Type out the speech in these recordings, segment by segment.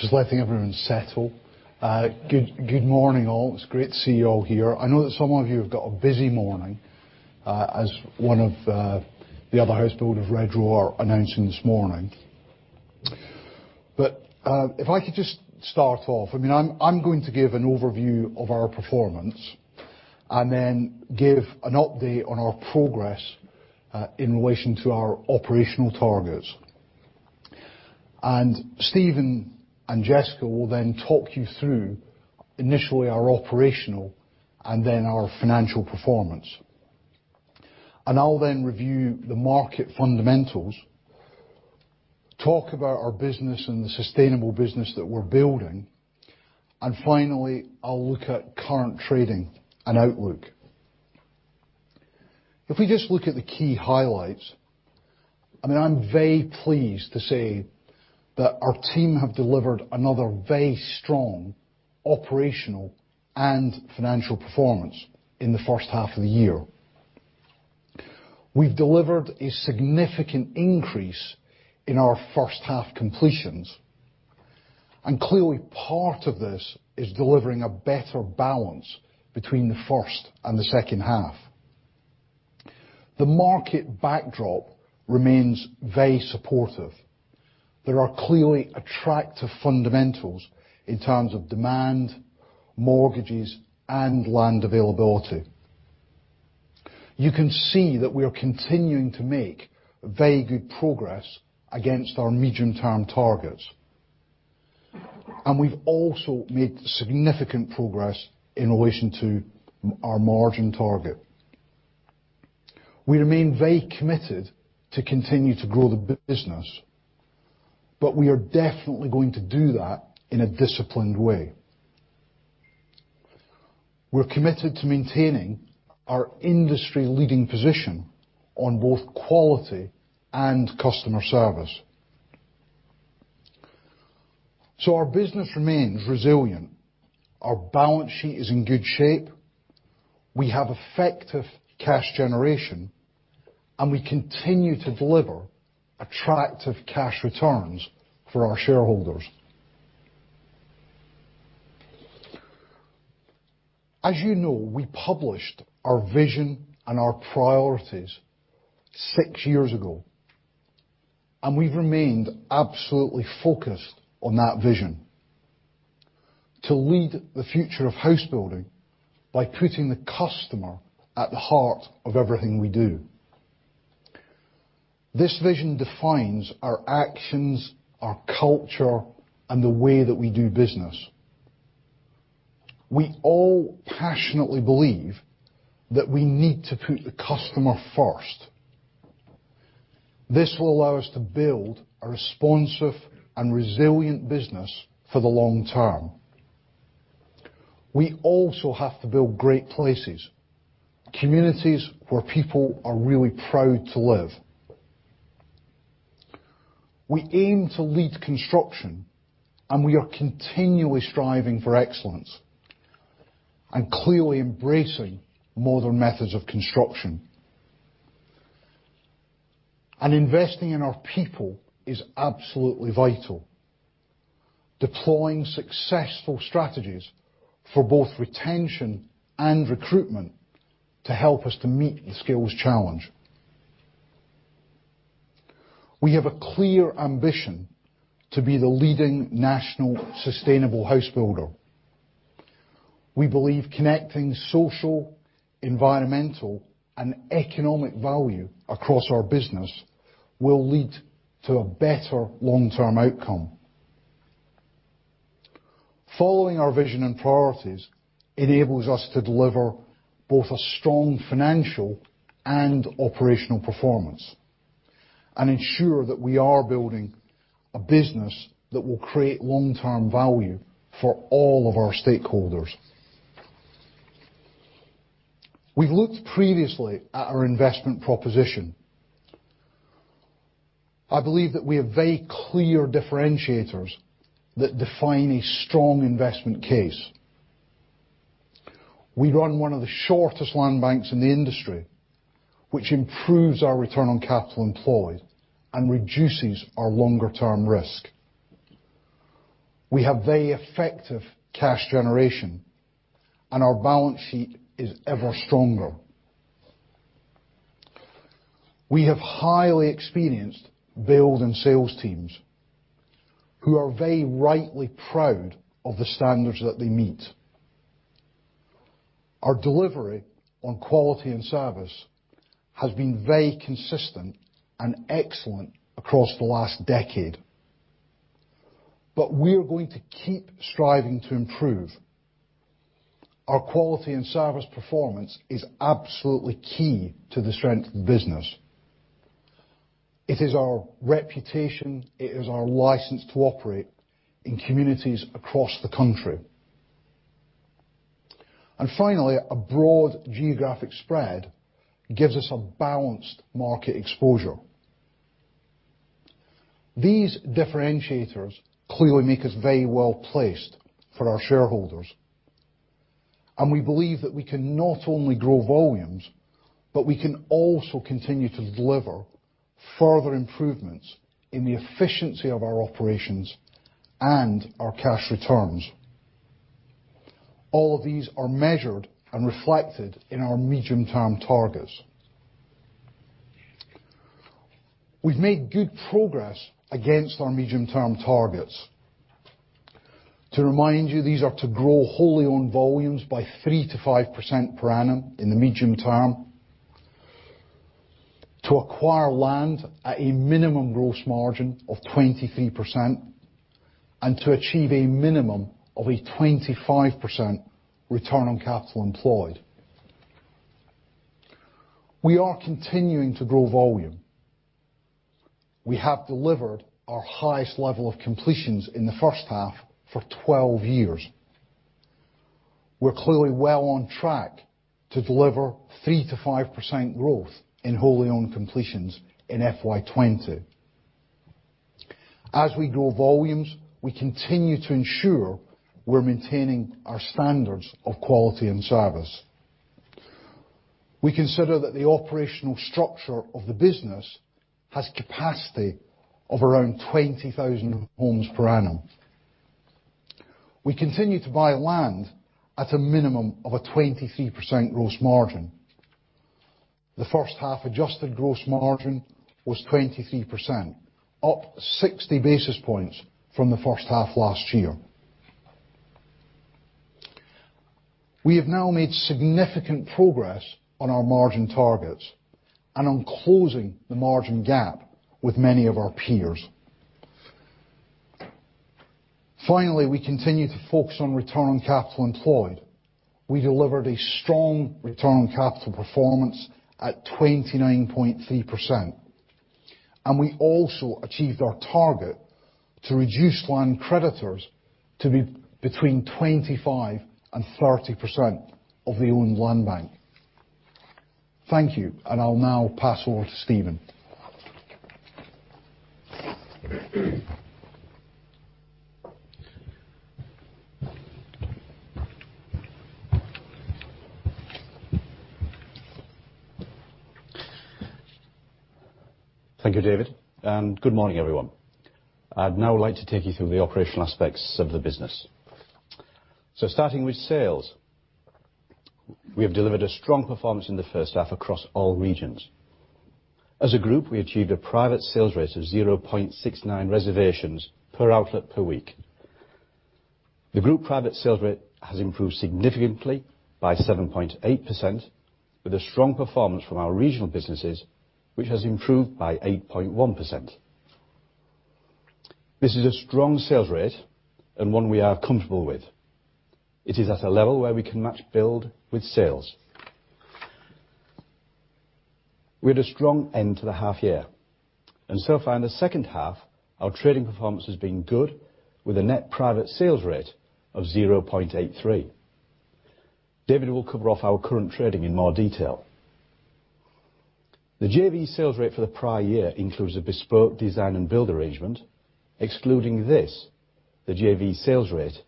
Just letting everyone settle. Good morning, all. It's great to see you all here. I know that some of you have got a busy morning, as one of the other house builders, Redrow, are announcing this morning. If I could just start off, I'm going to give an overview of our performance, and then give an update on our progress in relation to our operational targets. Steven and Jessica will then talk you through, initially, our operational and then our financial performance. I'll then review the market fundamentals, talk about our business and the sustainable business that we're building, and finally, I'll look at current trading and outlook. If we just look at the key highlights, I'm very pleased to say that our team have delivered another very strong operational and financial performance in the first half of the year. We've delivered a significant increase in our first half completions. Clearly part of this is delivering a better balance between the first and the second half. The market backdrop remains very supportive. There are clearly attractive fundamentals in terms of demand, mortgages, and land availability. You can see that we are continuing to make very good progress against our medium term targets. We've also made significant progress in relation to our margin target. We remain very committed to continue to grow the business, We are definitely going to do that in a disciplined way. We're committed to maintaining our industry leading position on both quality and customer service. Our business remains resilient. Our balance sheet is in good shape. We have effective cash generation, We continue to deliver attractive cash returns for our shareholders. As you know, we published our vision and our priorities six years ago, and we've remained absolutely focused on that vision to lead the future of house building by putting the customer at the heart of everything we do. This vision defines our actions, our culture, and the way that we do business. We all passionately believe that we need to put the customer first. This will allow us to build a responsive and resilient business for the long term. We also have to build great places, communities where people are really proud to live. We aim to lead construction and we are continually striving for excellence and clearly embracing modern methods of construction. Investing in our people is absolutely vital. Deploying successful strategies for both retention and recruitment to help us to meet the skills challenge. We have a clear ambition to be the leading national sustainable house builder. We believe connecting social, environmental, and economic value across our business will lead to a better long-term outcome. Following our vision and priorities enables us to deliver both a strong financial and operational performance and ensure that we are building a business that will create long-term value for all of our stakeholders. We've looked previously at our investment proposition. I believe that we have very clear differentiators that define a strong investment case. We run one of the shortest land banks in the industry, which improves our return on capital employed and reduces our longer term risk. We have very effective cash generation, and our balance sheet is ever stronger. We have highly experienced build and sales teams who are very rightly proud of the standards that they meet. Our delivery on quality and service has been very consistent and excellent across the last decade. We are going to keep striving to improve. Our quality and service performance is absolutely key to the strength of the business. It is our reputation. It is our license to operate in communities across the country. Finally, a broad geographic spread gives us a balanced market exposure. These differentiators clearly make us very well placed for our shareholders. We believe that we can not only grow volumes, but we can also continue to deliver further improvements in the efficiency of our operations and our cash returns. All of these are measured and reflected in our medium-term targets. We've made good progress against our medium-term targets. To remind you, these are to grow wholly owned volumes by 3%-5% per annum in the medium term, to acquire land at a minimum gross margin of 23%, and to achieve a minimum of a 25% return on capital employed. We are continuing to grow volume. We have delivered our highest level of completions in the first half for 12 years. We're clearly well on track to deliver 3%-5% growth in wholly owned completions in FY 2020. As we grow volumes, we continue to ensure we're maintaining our standards of quality and service. We consider that the operational structure of the business has capacity of around 20,000 homes per annum. We continue to buy land at a minimum of a 23% gross margin. The first half adjusted gross margin was 23%, up 60 basis points from the first half last year. We have now made significant progress on our margin targets and on closing the margin gap with many of our peers. Finally, we continue to focus on return on capital employed. We delivered a strong return on capital performance at 29.3%, and we also achieved our target to reduce land creditors to be between 25% and 30% of the owned land bank. Thank you, and I'll now pass over to Steven. Thank you, David. Good morning, everyone. I'd now like to take you through the operational aspects of the business. Starting with sales, we have delivered a strong performance in the first half across all regions. As a Group, we achieved a private sales rate of 0.69% reservations per outlet per week. The Group private sales rate has improved significantly by 7.8% with a strong performance from our regional businesses, which has improved by 8.1%. This is a strong sales rate and one we are comfortable with. It is at a level where we can match build with sales. We had a strong end to the half year. So far in the second half, our trading performance has been good, with a net private sales rate of 0.83%. David will cover off our current trading in more detail. The JV sales rate for the prior year includes a bespoke design and build arrangement. Excluding this, the JV sales rate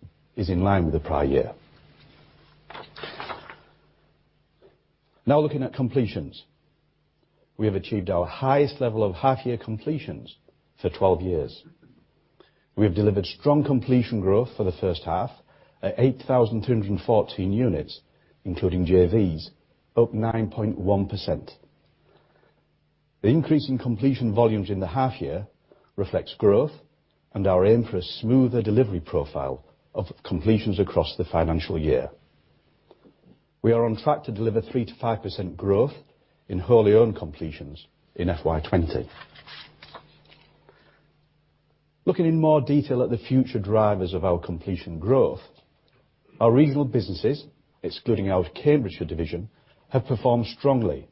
is in line with the prior year. Looking at completions. We have achieved our highest level of half year completions for 12 years. We have delivered strong completion growth for the first half at 8,214 units, including JVs, up 9.1%. The increase in completion volumes in the half year reflects growth and our aim for a smoother delivery profile of completions across the financial year. We are on track to deliver 3%-5% growth in wholly owned completions in FY 2020. Looking in more detail at the future drivers of our completion growth, our regional businesses, excluding our Cambridgeshire division, have performed strongly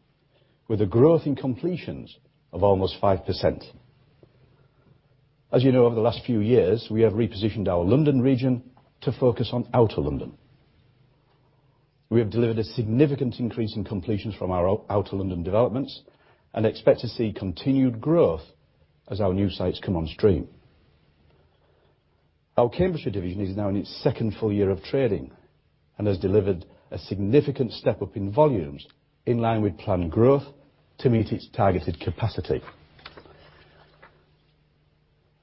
with a growth in completions of almost 5%. As you know, over the last few years, we have repositioned our London region to focus on Outer London. We have delivered a significant increase in completions from our Outer London developments and expect to see continued growth as our new sites come on stream. Our Cambridgeshire division is now in its second full year of trading and has delivered a significant step-up in volumes in line with planned growth to meet its targeted capacity.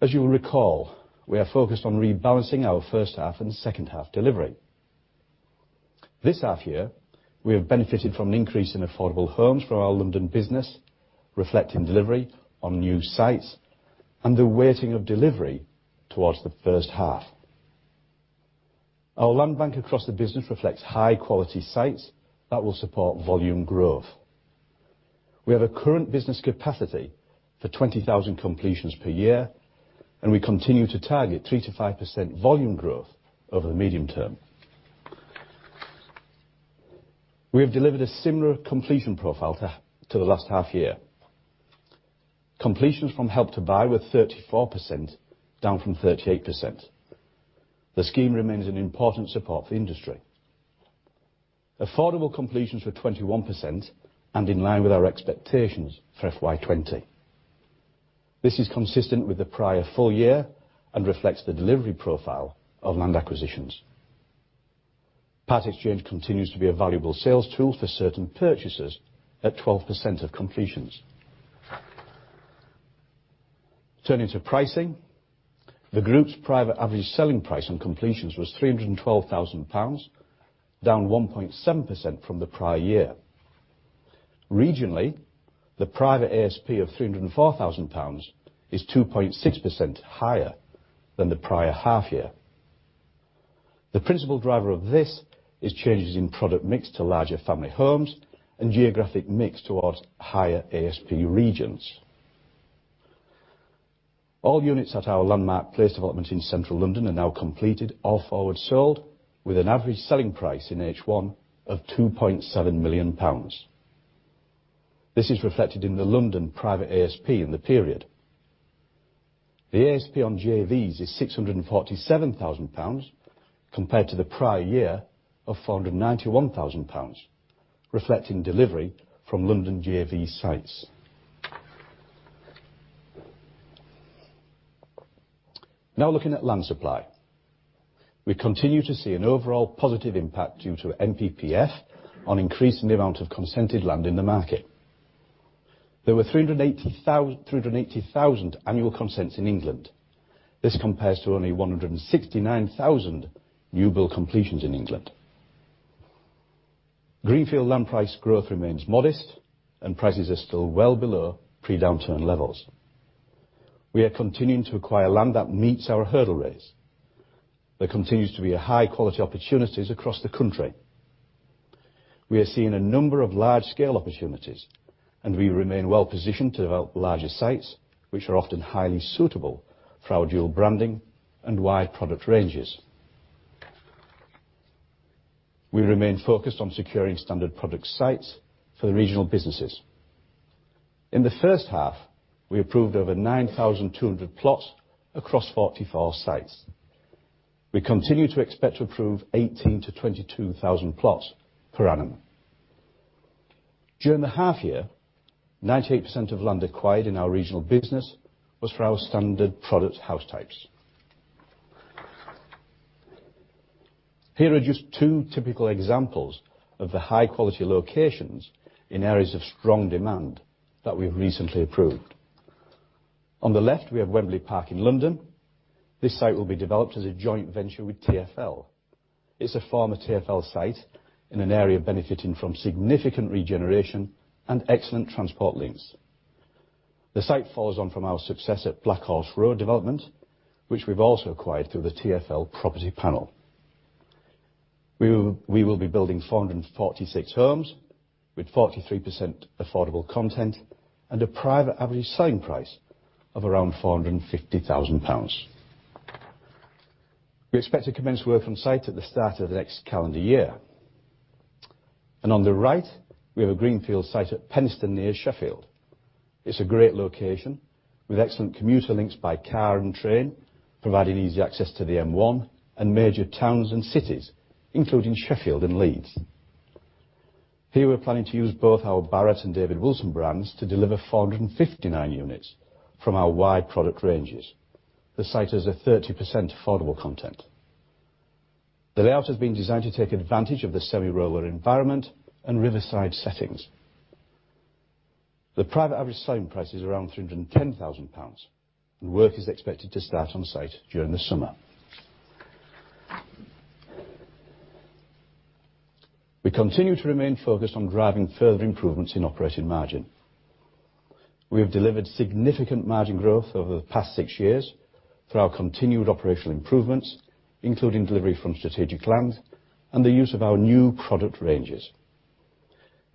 As you will recall, we are focused on rebalancing our first half and second half delivery. This half year, we have benefited from an increase in affordable homes from our London business, reflecting delivery on new sites and the weighting of delivery towards the first half. Our land bank across the business reflects high quality sites that will support volume growth. We have a current business capacity for 20,000 completions per year. We continue to target 3%-5% volume growth over the medium term. We have delivered a similar completion profile to the last half year. Completions from Help to Buy were 34%, down from 38%. The scheme remains an important support for the industry. Affordable completions were 21% and in line with our expectations for FY 2020. This is consistent with the prior full year and reflects the delivery profile of land acquisitions. Part exchange continues to be a valuable sales tool for certain purchasers at 12% of completions. Turning to pricing. The group's private average selling price on completions was 312,000 pounds, down 1.7% from the prior year. Regionally, the private ASP of 304,000 pounds is 2.6% higher than the prior half year. The principal driver of this is changes in product mix to larger family homes and geographic mix towards higher ASP regions. All units at our Landmark Place development in Central London are now completed, all forward sold, with an average selling price in H1 of 2.7 million pounds. This is reflected in the London private ASP in the period. The ASP on JVs is 647,000 pounds, compared to the prior year of 491,000 pounds, reflecting delivery from London JV sites. Now looking at land supply. We continue to see an overall positive impact due to NPPF on increasing the amount of consented land in the market. There were 380,000 annual consents in England. This compares to only 169,000 new build completions in England. Greenfield land price growth remains modest and prices are still well below pre-downturn levels. We are continuing to acquire land that meets our hurdle rates, there continues to be high quality opportunities across the country. We remain well positioned to develop larger sites, which are often highly suitable for our dual branding and wide product ranges. We remain focused on securing standard product sites for the regional businesses. In the first half, we approved over 9,200 plots across 44 sites. We continue to expect to approve 18,000-22,000 plots per annum. During the half year, 98% of land acquired in our regional business was for our standard product house types. Here are just two typical examples of the high quality locations in areas of strong demand that we've recently approved. On the left, we have Wembley Park in London. This site will be developed as a joint venture with TfL. It's a former TfL site in an area benefiting from significant regeneration and excellent transport links. The site follows on from our success at Blackhorse Road development, which we've also acquired through the TfL property panel. We will be building 446 homes, with 43% affordable content and a private average selling price of around 450,000 pounds. We expect to commence work on site at the start of the next calendar year. On the right, we have a greenfield site at Penistone, near Sheffield. It's a great location with excellent commuter links by car and train, providing easy access to the M1 and major towns and cities, including Sheffield and Leeds. Here we're planning to use both our Barratt and David Wilson brands to deliver 459 units from our wide product ranges. The site has a 30% affordable content. The layout has been designed to take advantage of the semi-rural environment and riverside settings. The private average selling price is around 310,000 pounds. Work is expected to start on site during the summer. We continue to remain focused on driving further improvements in operating margin. We have delivered significant margin growth over the past six years through our continued operational improvements, including delivery from strategic land and the use of our new product ranges.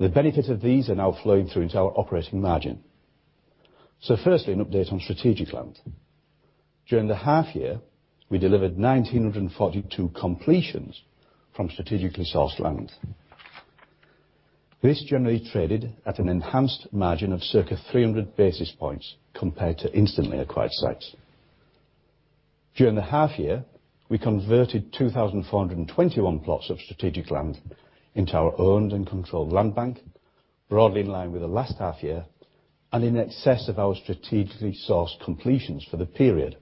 The benefits of these are now flowing through into our operating margin. Firstly, an update on strategic land. During the half year, we delivered 1,942 completions from strategically sourced land. This generally traded at an enhanced margin of circa 300 basis points compared to instantly acquired sites. During the half year, we converted 2,421 plots of strategic land into our owned and controlled land bank, broadly in line with the last half year and in excess of our strategically sourced completions for the period.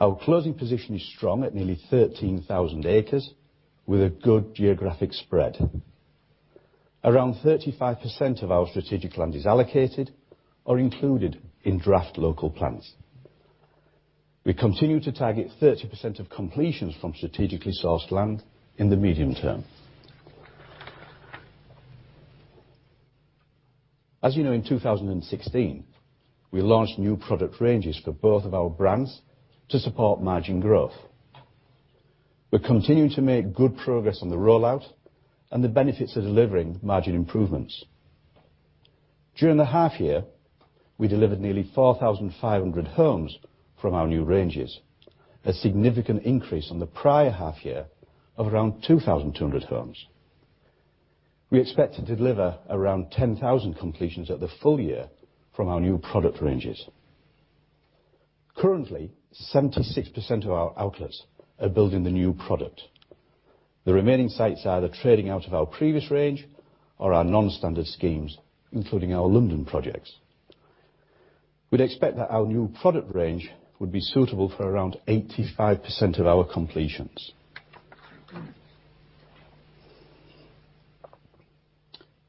Our closing position is strong at nearly 13,000 acres, with a good geographic spread. Around 35% of our strategic land is allocated or included in draft local plans. We continue to target 30% of completions from strategically sourced land in the medium term. As you know, in 2016, we launched new product ranges for both of our brands to support margin growth. We are continuing to make good progress on the rollout and the benefits are delivering margin improvements. During the half year, we delivered nearly 4,500 homes from our new ranges. A significant increase on the prior half year of around 2,200 homes. We expect to deliver around 10,000 completions at the full year from our new product ranges. Currently, 76% of our outlets are building the new product. The remaining sites are either trading out of our previous range or our non-standard schemes, including our London projects. We'd expect that our new product range would be suitable for around 85% of our completions.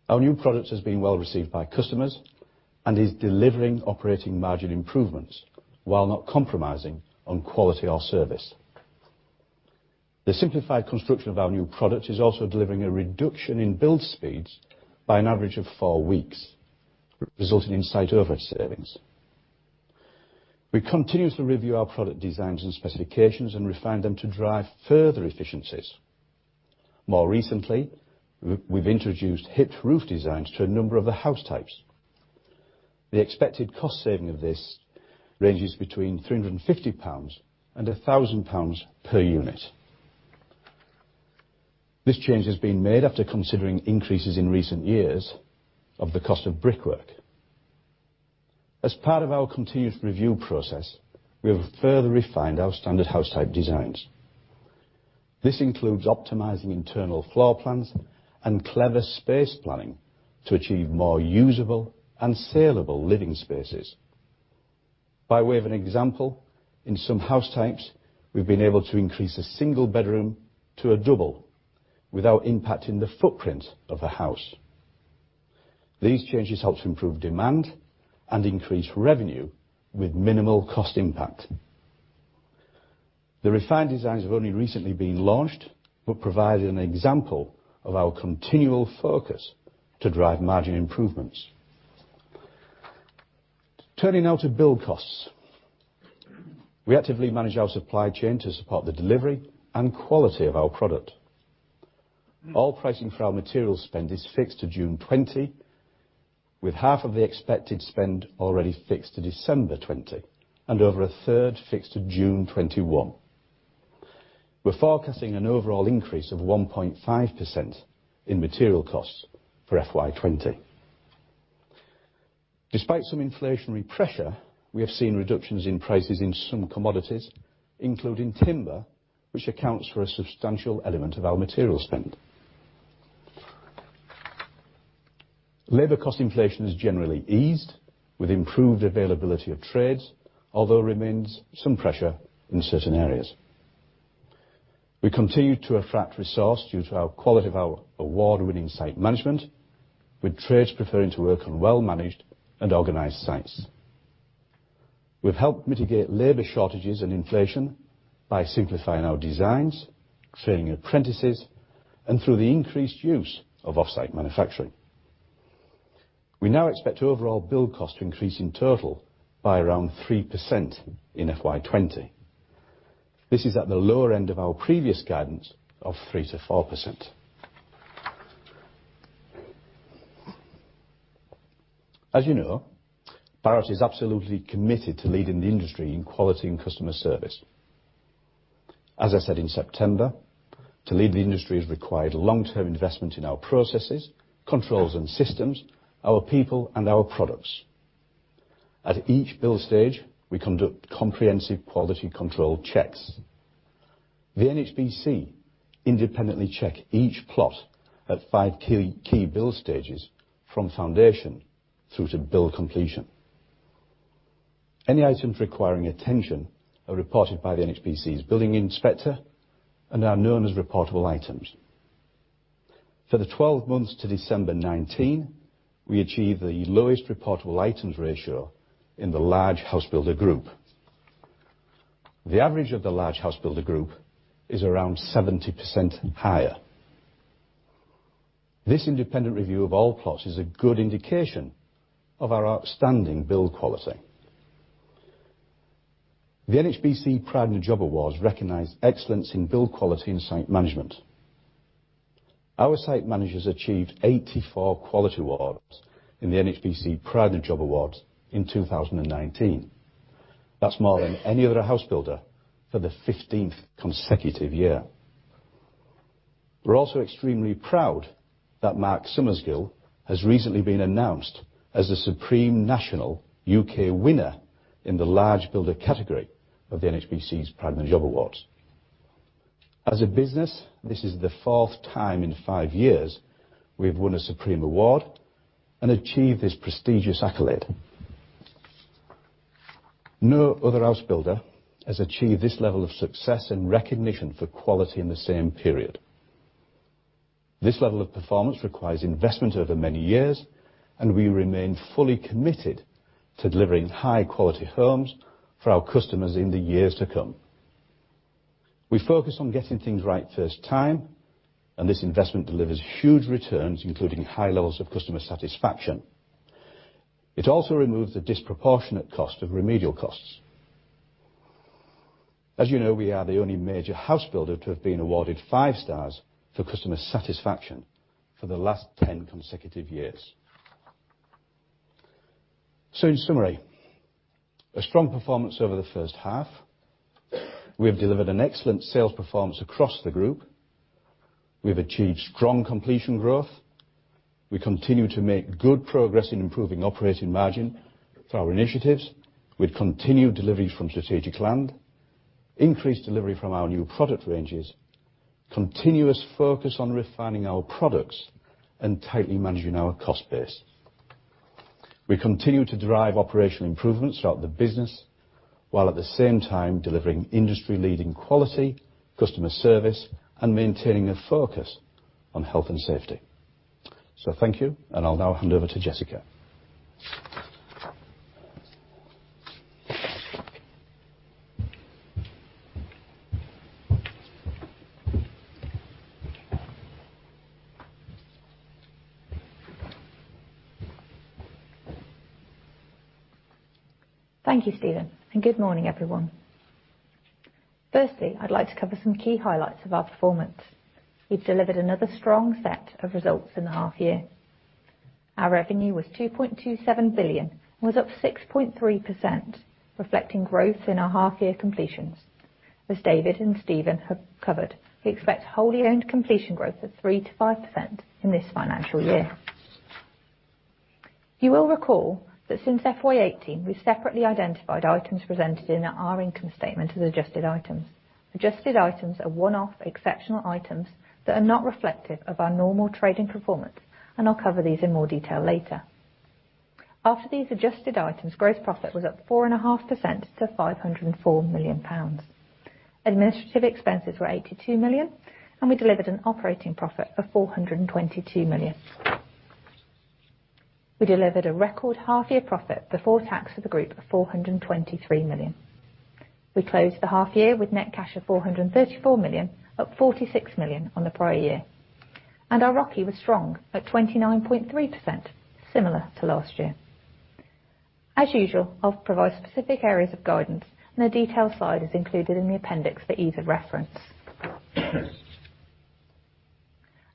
Our new product has been well received by customers and is delivering operating margin improvements while not compromising on quality or service. The simplified construction of our new product is also delivering a reduction in build speeds by an average of four weeks, resulting in site over savings. We continuously review our product designs and specifications and refine them to drive further efficiencies. More recently, we've introduced hipped roof designs to a number of the house types. The expected cost saving of this ranges between 350 pounds and 1,000 pounds per unit. This change has been made after considering increases in recent years of the cost of brickwork. As part of our continued review process, we have further refined our standard house type designs. This includes optimizing internal floor plans and clever space planning to achieve more usable and saleable living spaces. By way of an example, in some house types, we've been able to increase a single bedroom to a double without impacting the footprint of a house. These changes help to improve demand and increase revenue with minimal cost impact. The refined designs have only recently been launched, but provide an example of our continual focus to drive margin improvements. Turning now to build costs. We actively manage our supply chain to support the delivery and quality of our product. All pricing for our material spend is fixed to June 20, with half of the expected spend already fixed to December 20, and over a 3rd fixed to June 2021. We're forecasting an overall increase of 1.5% in material costs for FY 2020. Despite some inflationary pressure, we have seen reductions in prices in some commodities, including timber, which accounts for a substantial element of our material spend. Labor cost inflation has generally eased with improved availability of trades, although remains some pressure in certain areas. We continue to attract resource due to our quality of our award-winning site management, with trades preferring to work on well-managed and organized sites. We've helped mitigate labor shortages and inflation by simplifying our designs, training apprentices, and through the increased use of offsite manufacturing. We now expect overall build cost to increase in total by around 3% in FY 2020. This is at the lower end of our previous guidance of 3%-4%. As you know, Barratt is absolutely committed to leading the industry in quality and customer service. As I said in September, to lead the industry has required long-term investment in our processes, controls and systems, our people, and our products. At each build stage, we conduct comprehensive quality control checks. The NHBC independently check each plot at five key build stages from foundation through to build completion. Any items requiring attention are reported by the NHBC's building inspector and are known as reportable items. For the 12 months to December 2019, we achieved the lowest reportable items ratio in the large house builder group. The average of the large house builder group is around 70% higher. This independent review of all plots is a good indication of our outstanding build quality. The NHBC Pride in the Job Awards recognize excellence in build quality and site management. Our site managers achieved 84 quality awards in the NHBC Pride in the Job Awards in 2019. That's more than any other house builder for the 15th consecutive year. We're also extremely proud that Mark Summersgill has recently been announced as the Supreme National U.K. Winner in the Large Builder category of the NHBC's Pride in the Job Awards. As a business, this is the fourth time in five years we've won a Supreme Award and achieved this prestigious accolade. No other house builder has achieved this level of success and recognition for quality in the same period. This level of performance requires investment over many years, and we remain fully committed to delivering high quality homes for our customers in the years to come. We focus on getting things right first time, and this investment delivers huge returns, including high levels of customer satisfaction. It also removes the disproportionate cost of remedial costs. As you know, we are the only major housebuilder to have been awarded five stars for customer satisfaction for the last 10 consecutive years. In summary, a strong performance over the first half. We have delivered an excellent sales performance across the group. We have achieved strong completion growth. We continue to make good progress in improving operating margin through our initiatives with continued deliveries from strategic land, increased delivery from our new product ranges, continuous focus on refining our products, and tightly managing our cost base. We continue to derive operational improvements throughout the business, while at the same time delivering industry-leading quality, customer service, and maintaining a focus on health and safety. Thank you, and I'll now hand over to Jessica. Thank you, Steven, good morning, everyone. Firstly, I'd like to cover some key highlights of our performance. We've delivered another strong set of results in the half year. Our revenue was 2.27 billion. It was up 6.3%, reflecting growth in our half year completions. As David and Steven have covered, we expect wholly-owned completion growth of 3%-5% in this financial year. You will recall that since FY 2018, we separately identified items presented in our income statement as adjusted items. Adjusted items are one-off exceptional items that are not reflective of our normal trading performance. I'll cover these in more detail later. After these adjusted items, gross profit was up 4.5% to 504 million pounds. Administrative expenses were 82 million. We delivered an operating profit of 422 million. We delivered a record half year profit before tax for the group of 423 million. We closed the half year with net cash of 434 million, up 46 million on the prior year. Our ROCE was strong at 29.3%, similar to last year. As usual, I will provide specific areas of guidance and a detailed slide is included in the appendix for ease of reference.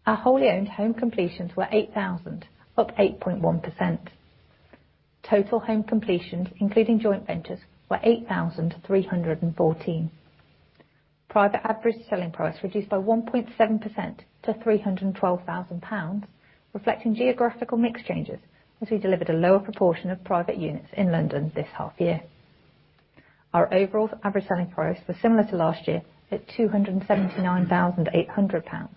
Our wholly owned home completions were 8,000, up 8.1%. Total home completions including joint ventures, were 8,314. Private average selling price reduced by 1.7% to 312,000 pounds, reflecting geographical mix changes as we delivered a lower proportion of private units in London this half year. Our overall average selling price was similar to last year at 279,800 pounds.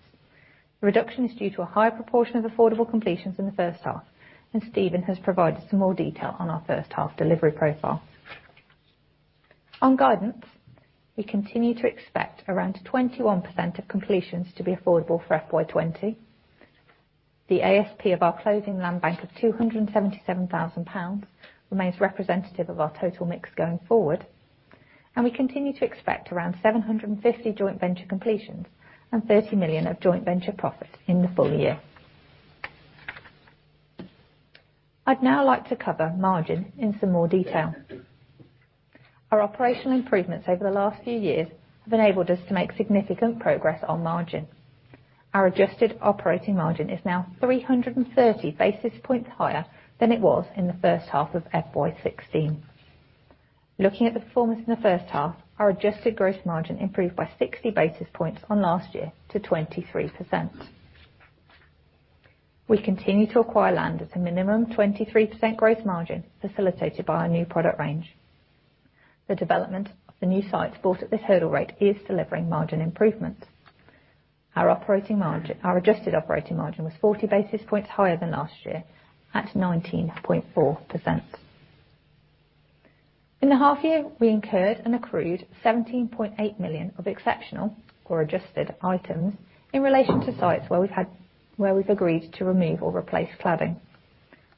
The reduction is due to a higher proportion of affordable completions in the first half, and Steven has provided some more detail on our first half delivery profile. On guidance, we continue to expect around 21% of completions to be affordable for FY 2020. The ASP of our closing land bank of 277,000 pounds remains representative of our total mix going forward, and we continue to expect around 750 joint venture completions and 30 million of joint venture profit in the full year. I'd now like to cover margin in some more detail. Our operational improvements over the last few years have enabled us to make significant progress on margin. Our adjusted operating margin is now 330 basis points higher than it was in the first half of FY 2016. Looking at the performance in the first half, our adjusted gross margin improved by 60 basis points on last year to 23%. We continue to acquire land at a minimum 23% gross margin facilitated by our new product range. The development of the new sites bought at this hurdle rate is delivering margin improvements. Our adjusted operating margin was 40 basis points higher than last year at 19.4%. In the half year, we incurred and accrued 17.8 million of exceptional or adjusted items in relation to sites where we've agreed to remove or replace cladding.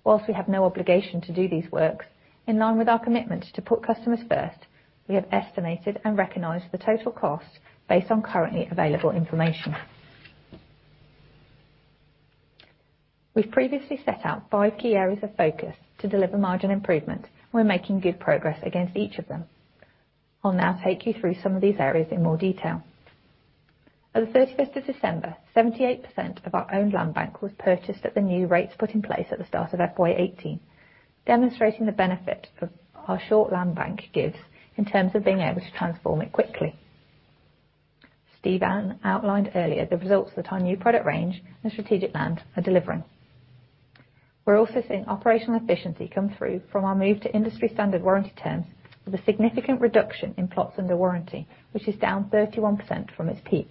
Whilst we have no obligation to do these works, in line with our commitment to put customers first, we have estimated and recognized the total cost based on currently available information. We've previously set out five key areas of focus to deliver margin improvement. We're making good progress against each of them. I'll now take you through some of these areas in more detail. At the 31st of December, 78% of our owned land bank was purchased at the new rates put in place at the start of FY 2018, demonstrating the benefit of our short land bank gives in terms of being able to transform it quickly. Steven outlined earlier the results that our new product range and strategic land are delivering. We are also seeing operational efficiency come through from our move to industry standard warranty terms with a significant reduction in plots under warranty, which is down 31% from its peak.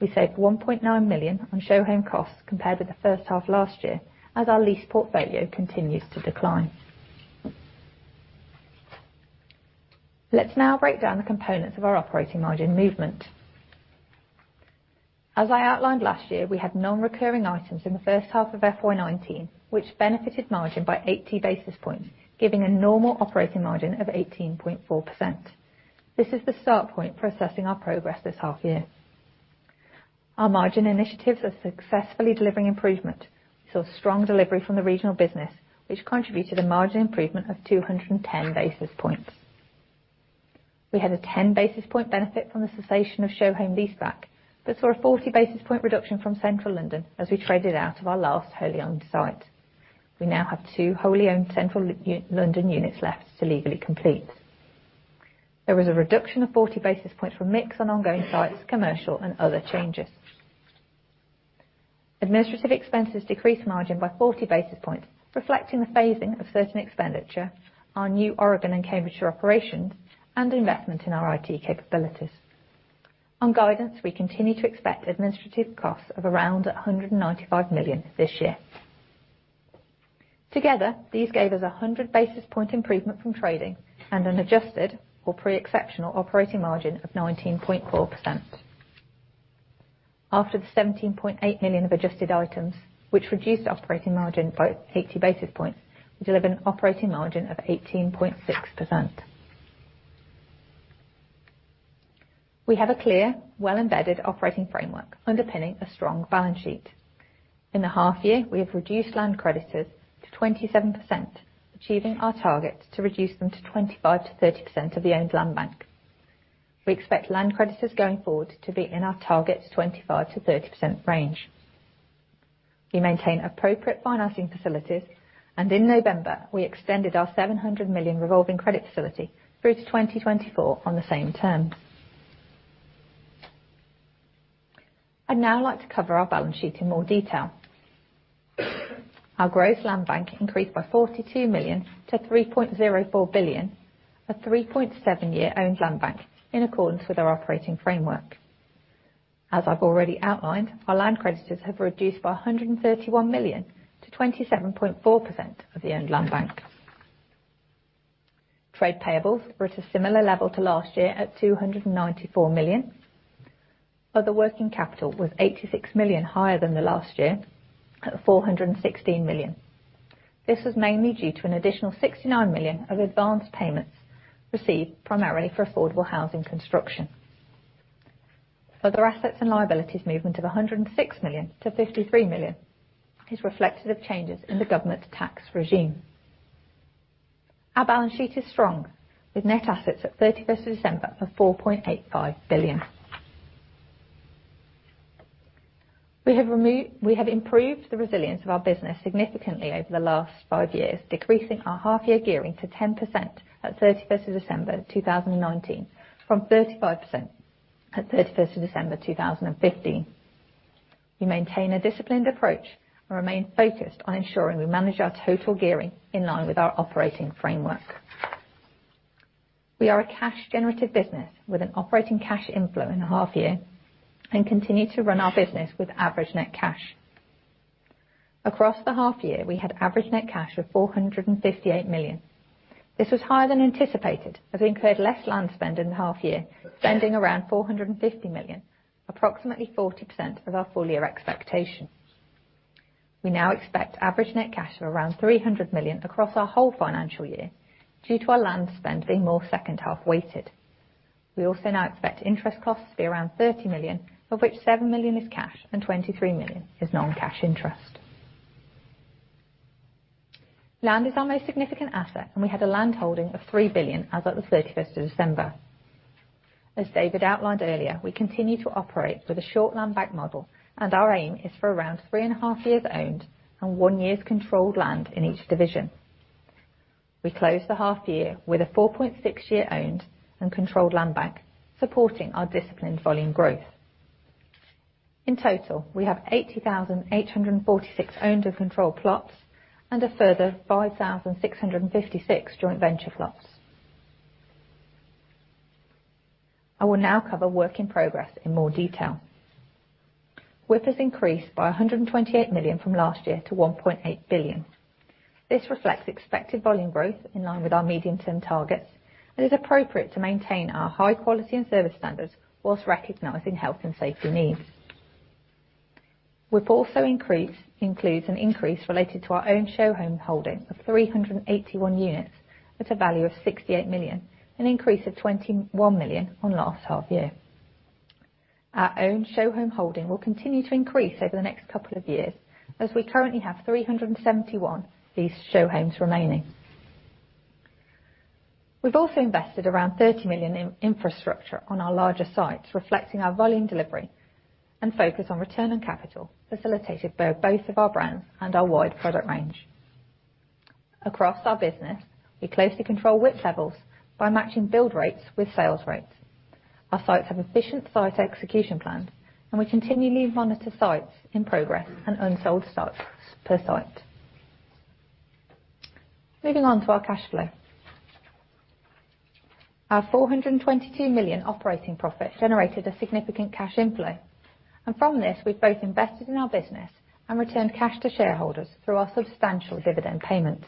We saved 1.9 million on show home costs compared with the first half last year as our lease portfolio continues to decline. Let's now break down the components of our operating margin movement. As I outlined last year, we had non-recurring items in the first half of FY 2019, which benefited margin by 80 basis points, giving a normal operating margin of 18.4%. This is the start point for assessing our progress this half year. Our margin initiatives are successfully delivering improvement. Saw strong delivery from the regional business, which contributed a margin improvement of 210 basis points. We had a 10 basis point benefit from the cessation of show home leaseback, but saw a 40 basis point reduction from central London as we traded out of our last wholly owned site. We now have two wholly owned central London units left to legally complete. There was a reduction of 40 basis points from mix and ongoing sites, commercial, and other changes. Administrative expenses decreased margin by 40 basis points, reflecting the phasing of certain expenditure, our new Oregon and Cambridgeshire operations, and investment in our IT capabilities. On guidance, we continue to expect administrative costs of around 195 million this year. Together, these gave us 100 basis points improvement from trading and an adjusted or pre-exceptional operating margin of 19.4%. After the 17.8 million of adjusted items, which reduced operating margin by 80 basis points, we deliver an operating margin of 18.6%. We have a clear, well embedded operating framework underpinning a strong balance sheet. In the half year, we have reduced land creditors to 27%, achieving our target to reduce them to 25%-30% of the owned land bank. We expect land creditors going forward to be in our target 25%-30% range. We maintain appropriate financing facilities, and in November, we extended our 700 million revolving credit facility through to 2024 on the same term. I'd now like to cover our balance sheet in more detail. Our gross land bank increased by 42 million-3.04 billion, a 3.7-year owned land bank in accordance with our operating framework. As I've already outlined, our land creditors have reduced by 131 million to 27.4% of the owned land bank. Trade payables were at a similar level to last year at 294 million. Other working capital was 86 million higher than the last year at 416 million. This was mainly due to an additional 69 million of advanced payments received primarily for affordable housing construction. Other assets and liabilities movement of 106 million-53 million is reflective of changes in the government tax regime. Our balance sheet is strong, with net assets at 31st of December of 4.85 billion. We have improved the resilience of our business significantly over the last five years, decreasing our half year gearing to 10% at 31st of December 2019 from 35% at 31st of December 2015. We maintain a disciplined approach and remain focused on ensuring we manage our total gearing in line with our operating framework. We are a cash generative business with an operating cash inflow in the half year and continue to run our business with average net cash. Across the half year, we had average net cash of 458 million. This was higher than anticipated as we incurred less land spend in the half year, spending around 450 million, approximately 40% of our full year expectation. We now expect average net cash of around 300 million across our whole financial year due to our land spend being more second half weighted. We also now expect interest costs to be around 30 million, of which 7 million is cash and 23 million is non-cash interest. Land is our most significant asset, and we had a land holding of 3 billion as at the 31st of December. As David outlined earlier, we continue to operate with a short land bank model, and our aim is for around three and a half years owned and one year's controlled land in each division. We closed the half year with a 4.6 year owned and controlled land bank supporting our disciplined volume growth. In total, we have 80,846 owned and controlled plots and a further 5,656 joint venture plots. I will now cover work in progress in more detail. WIP has increased by 128 million from last year to 1.8 billion. This reflects expected volume growth in line with our medium-term targets and is appropriate to maintain our high quality and service standards while recognizing health and safety needs. WIP also includes an increase related to our own show home holding of 381 units at a value of 68 million, an increase of 21 million on last half year. Our own show home holding will continue to increase over the next couple of years, as we currently have 371 of these show homes remaining. We've also invested around 30 million in infrastructure on our larger sites, reflecting our volume delivery and focus on return on capital, facilitated by both of our brands and our wide product range. Across our business, we closely control WIP levels by matching build rates with sales rates. Our sites have efficient site execution plans. We continually monitor sites in progress and unsold stock per site. Moving on to our cash flow. Our 422 million operating profit generated a significant cash inflow, and from this, we've both invested in our business and returned cash to shareholders through our substantial dividend payments.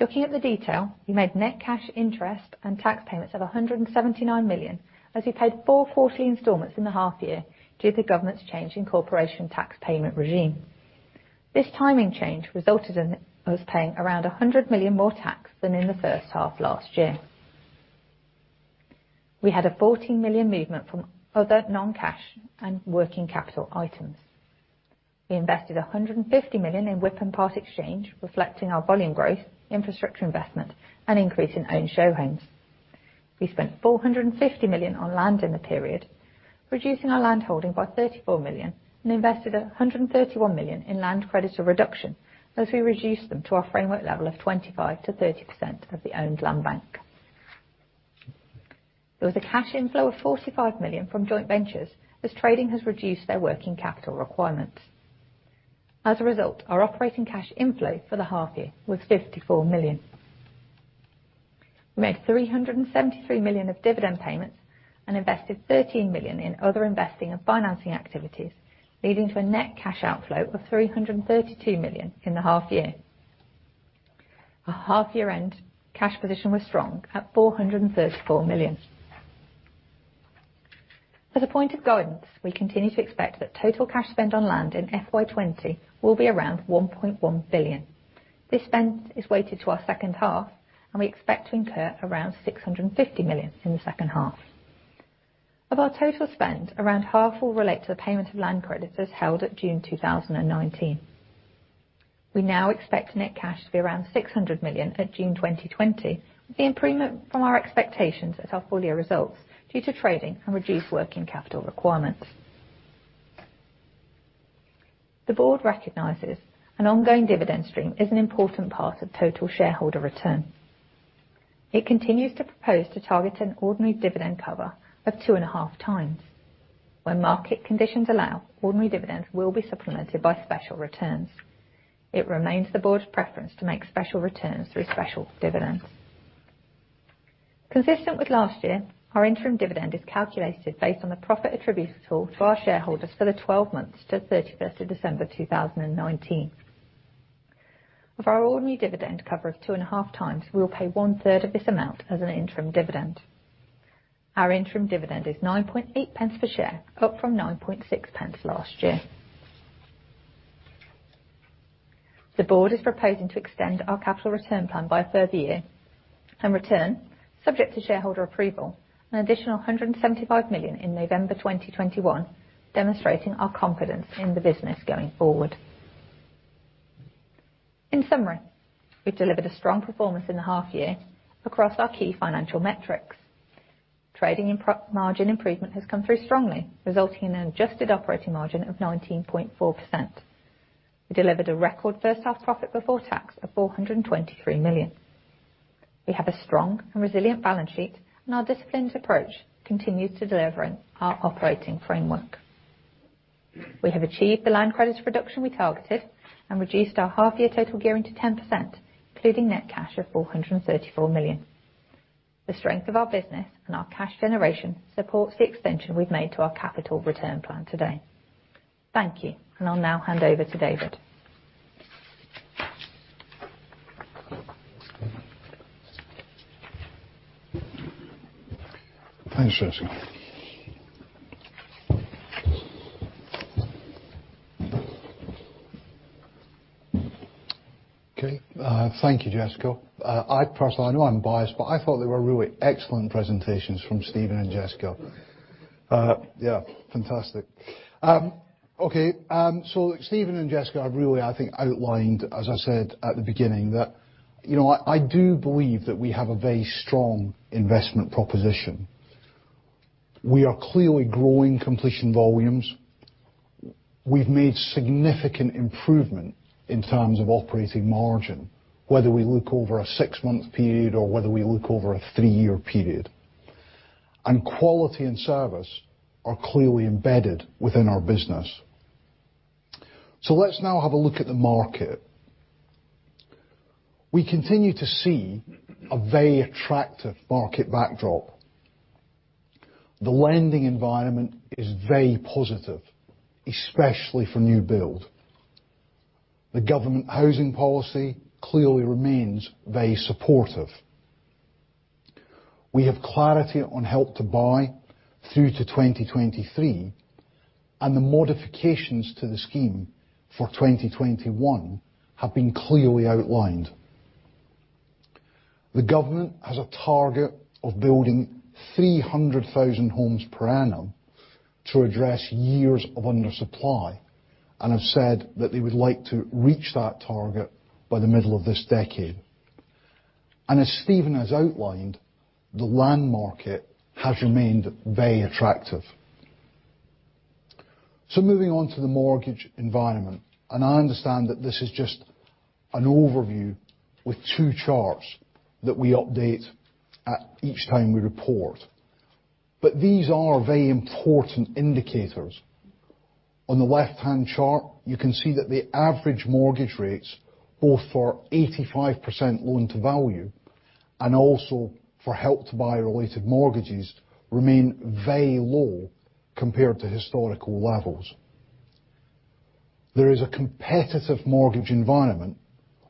Looking at the detail, we made net cash interest and tax payments of 179 million as we paid four quarterly installments in the half year due to the government's change in corporation tax payment regime. This timing change resulted in us paying around 100 million more tax than in the first half last year. We had a 14 million movement from other non-cash and WIP items. We invested 150 million in WIP and part exchange, reflecting our volume growth, infrastructure investment, and increase in owned show homes. We spent 450 million on land in the period. Reducing our landholding by 34 million and invested 131 million in land credits for reduction as we reduce them to our framework level of 25%-30% of the owned land bank. There was a cash inflow of 45 million from joint ventures, as trading has reduced their working capital requirements. As a result, our operating cash inflow for the half year was 54 million. We made 373 million of dividend payments and invested 13 million in other investing and financing activities, leading to a net cash outflow of 332 million in the half year. At half year end, cash position was strong at 434 million. As a point of guidance, we continue to expect that total cash spent on land in FY 2020 will be around 1.1 billion. This spend is weighted to our second half, and we expect to incur around 650 million in the second half. Of our total spend, around half will relate to the payment of land credits as held at June 2019. We now expect net cash to be around 600 million at June 2020. The improvement from our expectations at our full year results due to trading and reduced working capital requirements. The board recognizes an ongoing dividend stream is an important part of total shareholder return. It continues to propose to target an ordinary dividend cover of 2.5x. When market conditions allow, ordinary dividends will be supplemented by special returns. It remains the board's preference to make special returns through special dividends. Consistent with last year, our interim dividend is calculated based on the profit attributable to our shareholders for the 12 months to the 31st of December 2019. Of our ordinary dividend cover of 2.5 times, we will pay one third of this amount as an interim dividend. Our interim dividend is 0.098 per share, up from 0.096 last year. The board is proposing to extend our capital return plan by a further year and return, subject to shareholder approval, an additional 175 million in November 2021, demonstrating our confidence in the business going forward. In summary, we've delivered a strong performance in the half year across our key financial metrics. Trading margin improvement has come through strongly, resulting in an adjusted operating margin of 19.4%. We delivered a record first half profit before tax of 423 million. We have a strong and resilient balance sheet, and our disciplined approach continues to deliver in our operating framework. We have achieved the land credits reduction we targeted and reduced our half year total gearing to 10%, including net cash of 434 million. The strength of our business and our cash generation supports the extension we've made to our capital return plan today. Thank you. I'll now hand over to David. Thanks, Jessica. Thank you, Jessica. I personally, I know I am biased, but I thought they were really excellent presentations from Steven and Jessica. Fantastic. Steven and Jessica have really, I think, outlined, as I said at the beginning, that I do believe that we have a very strong investment proposition. We are clearly growing completion volumes. We have made significant improvement in terms of operating margin, whether we look over a six-month period or whether we look over a three-year period. Quality and service are clearly embedded within our business. Let's now have a look at the market. We continue to see a very attractive market backdrop. The lending environment is very positive, especially for new build. The government housing policy clearly remains very supportive. We have clarity on Help to Buy through to 2023, and the modifications to the scheme for 2021 have been clearly outlined. The government has a target of building 300,000 homes per annum to address years of undersupply, and have said that they would like to reach that target by the middle of this decade. As Steven has outlined, the land market has remained very attractive. Moving on to the mortgage environment, and I understand that this is just an overview with two charts that we update at each time we report. These are very important indicators. On the left hand chart, you can see that the average mortgage rates, both for 85% loan to value and also for Help to Buy related mortgages, remain very low compared to historical levels. There is a competitive mortgage environment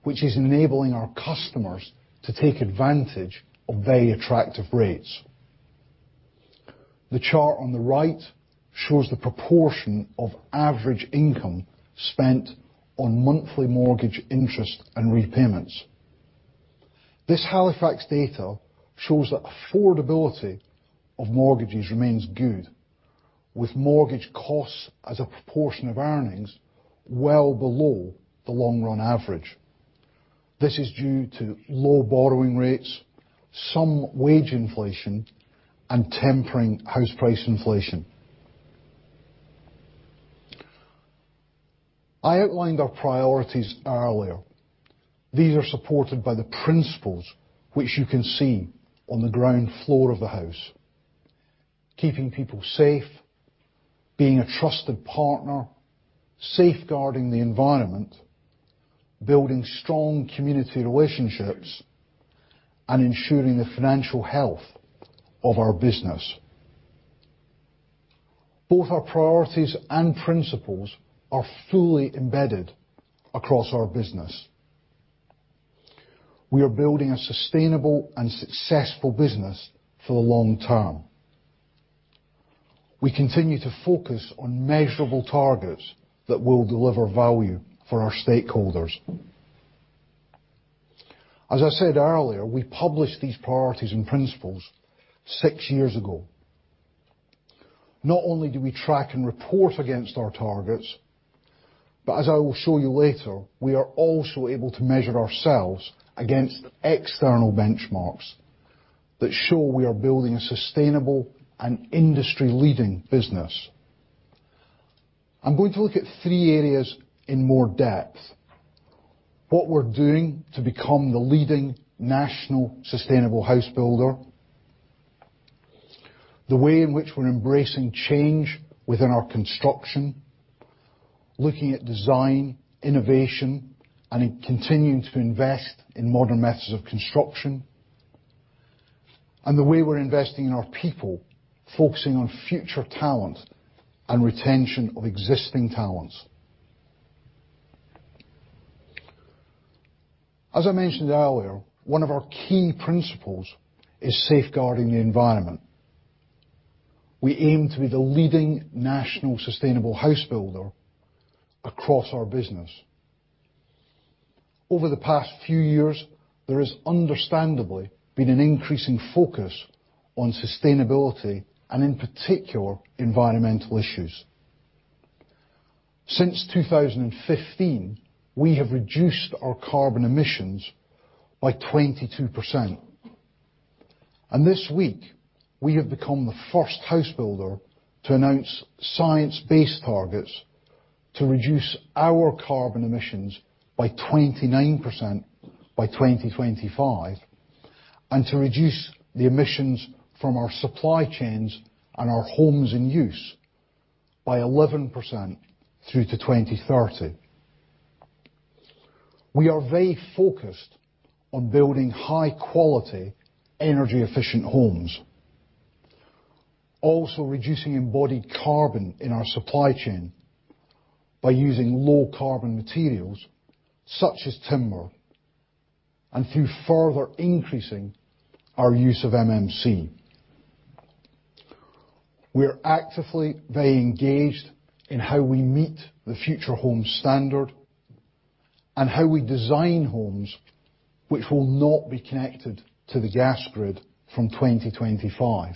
which is enabling our customers to take advantage of very attractive rates. The chart on the right shows the proportion of average income spent on monthly mortgage interest and repayments. This Halifax data shows that affordability of mortgages remains good, with mortgage costs as a proportion of earnings well below the long run average. This is due to low borrowing rates, some wage inflation, and tempering house price inflation. I outlined our priorities earlier. These are supported by the principles which you can see on the ground floor of the house. Keeping people safe, being a trusted partner, safeguarding the environment, building strong community relationships, and ensuring the financial health of our business. Both our priorities and principles are fully embedded across our business. We are building a sustainable and successful business for the long term. We continue to focus on measurable targets that will deliver value for our stakeholders. As I said earlier, we published these priorities and principles six years ago. Not only do we track and report against our targets, but as I will show you later, we are also able to measure ourselves against external benchmarks that show we are building a sustainable and industry-leading business. I'm going to look at three areas in more depth. What we're doing to become the leading national sustainable house builder. The way in which we're embracing change within our construction, looking at design, innovation, and in continuing to invest in modern methods of construction. The way we're investing in our people, focusing on future talent and retention of existing talent. As I mentioned earlier, one of our key principles is safeguarding the environment. We aim to be the leading national sustainable house builder across our business. Over the past few years, there has understandably been an increasing focus on sustainability and, in particular, environmental issues. Since 2015, we have reduced our carbon emissions by 22%. This week, we have become the first house builder to announce science-based targets to reduce our carbon emissions by 29% by 2025, and to reduce the emissions from our supply chains and our homes in use by 11% through to 2030. We are very focused on building high quality, energy efficient homes. Also reducing embodied carbon in our supply chain by using low carbon materials such as timber and through further increasing our use of MMC. We are actively very engaged in how we meet the Future Homes Standard and how we design homes which will not be connected to the gas grid from 2025.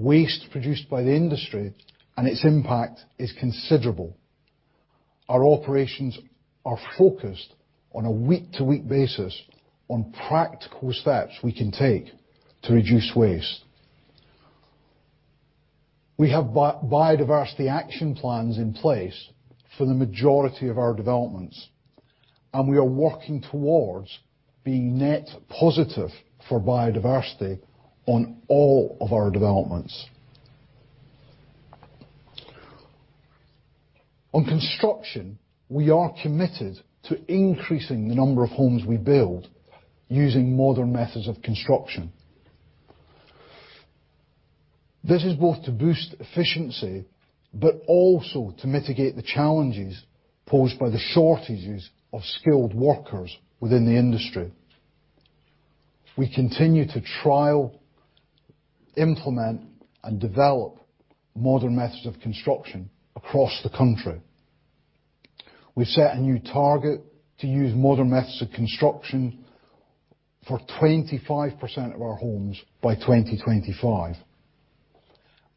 Waste produced by the industry and its impact is considerable. Our operations are focused on a week-to-week basis on practical steps we can take to reduce waste. We have biodiversity action plans in place for the majority of our developments, and we are working towards being net positive for biodiversity on all of our developments. On construction, we are committed to increasing the number of homes we build using modern methods of construction. This is both to boost efficiency, but also to mitigate the challenges posed by the shortages of skilled workers within the industry. We continue to trial, implement, and develop modern methods of construction across the country. We set a new target to use modern methods of construction for 25% of our homes by 2025.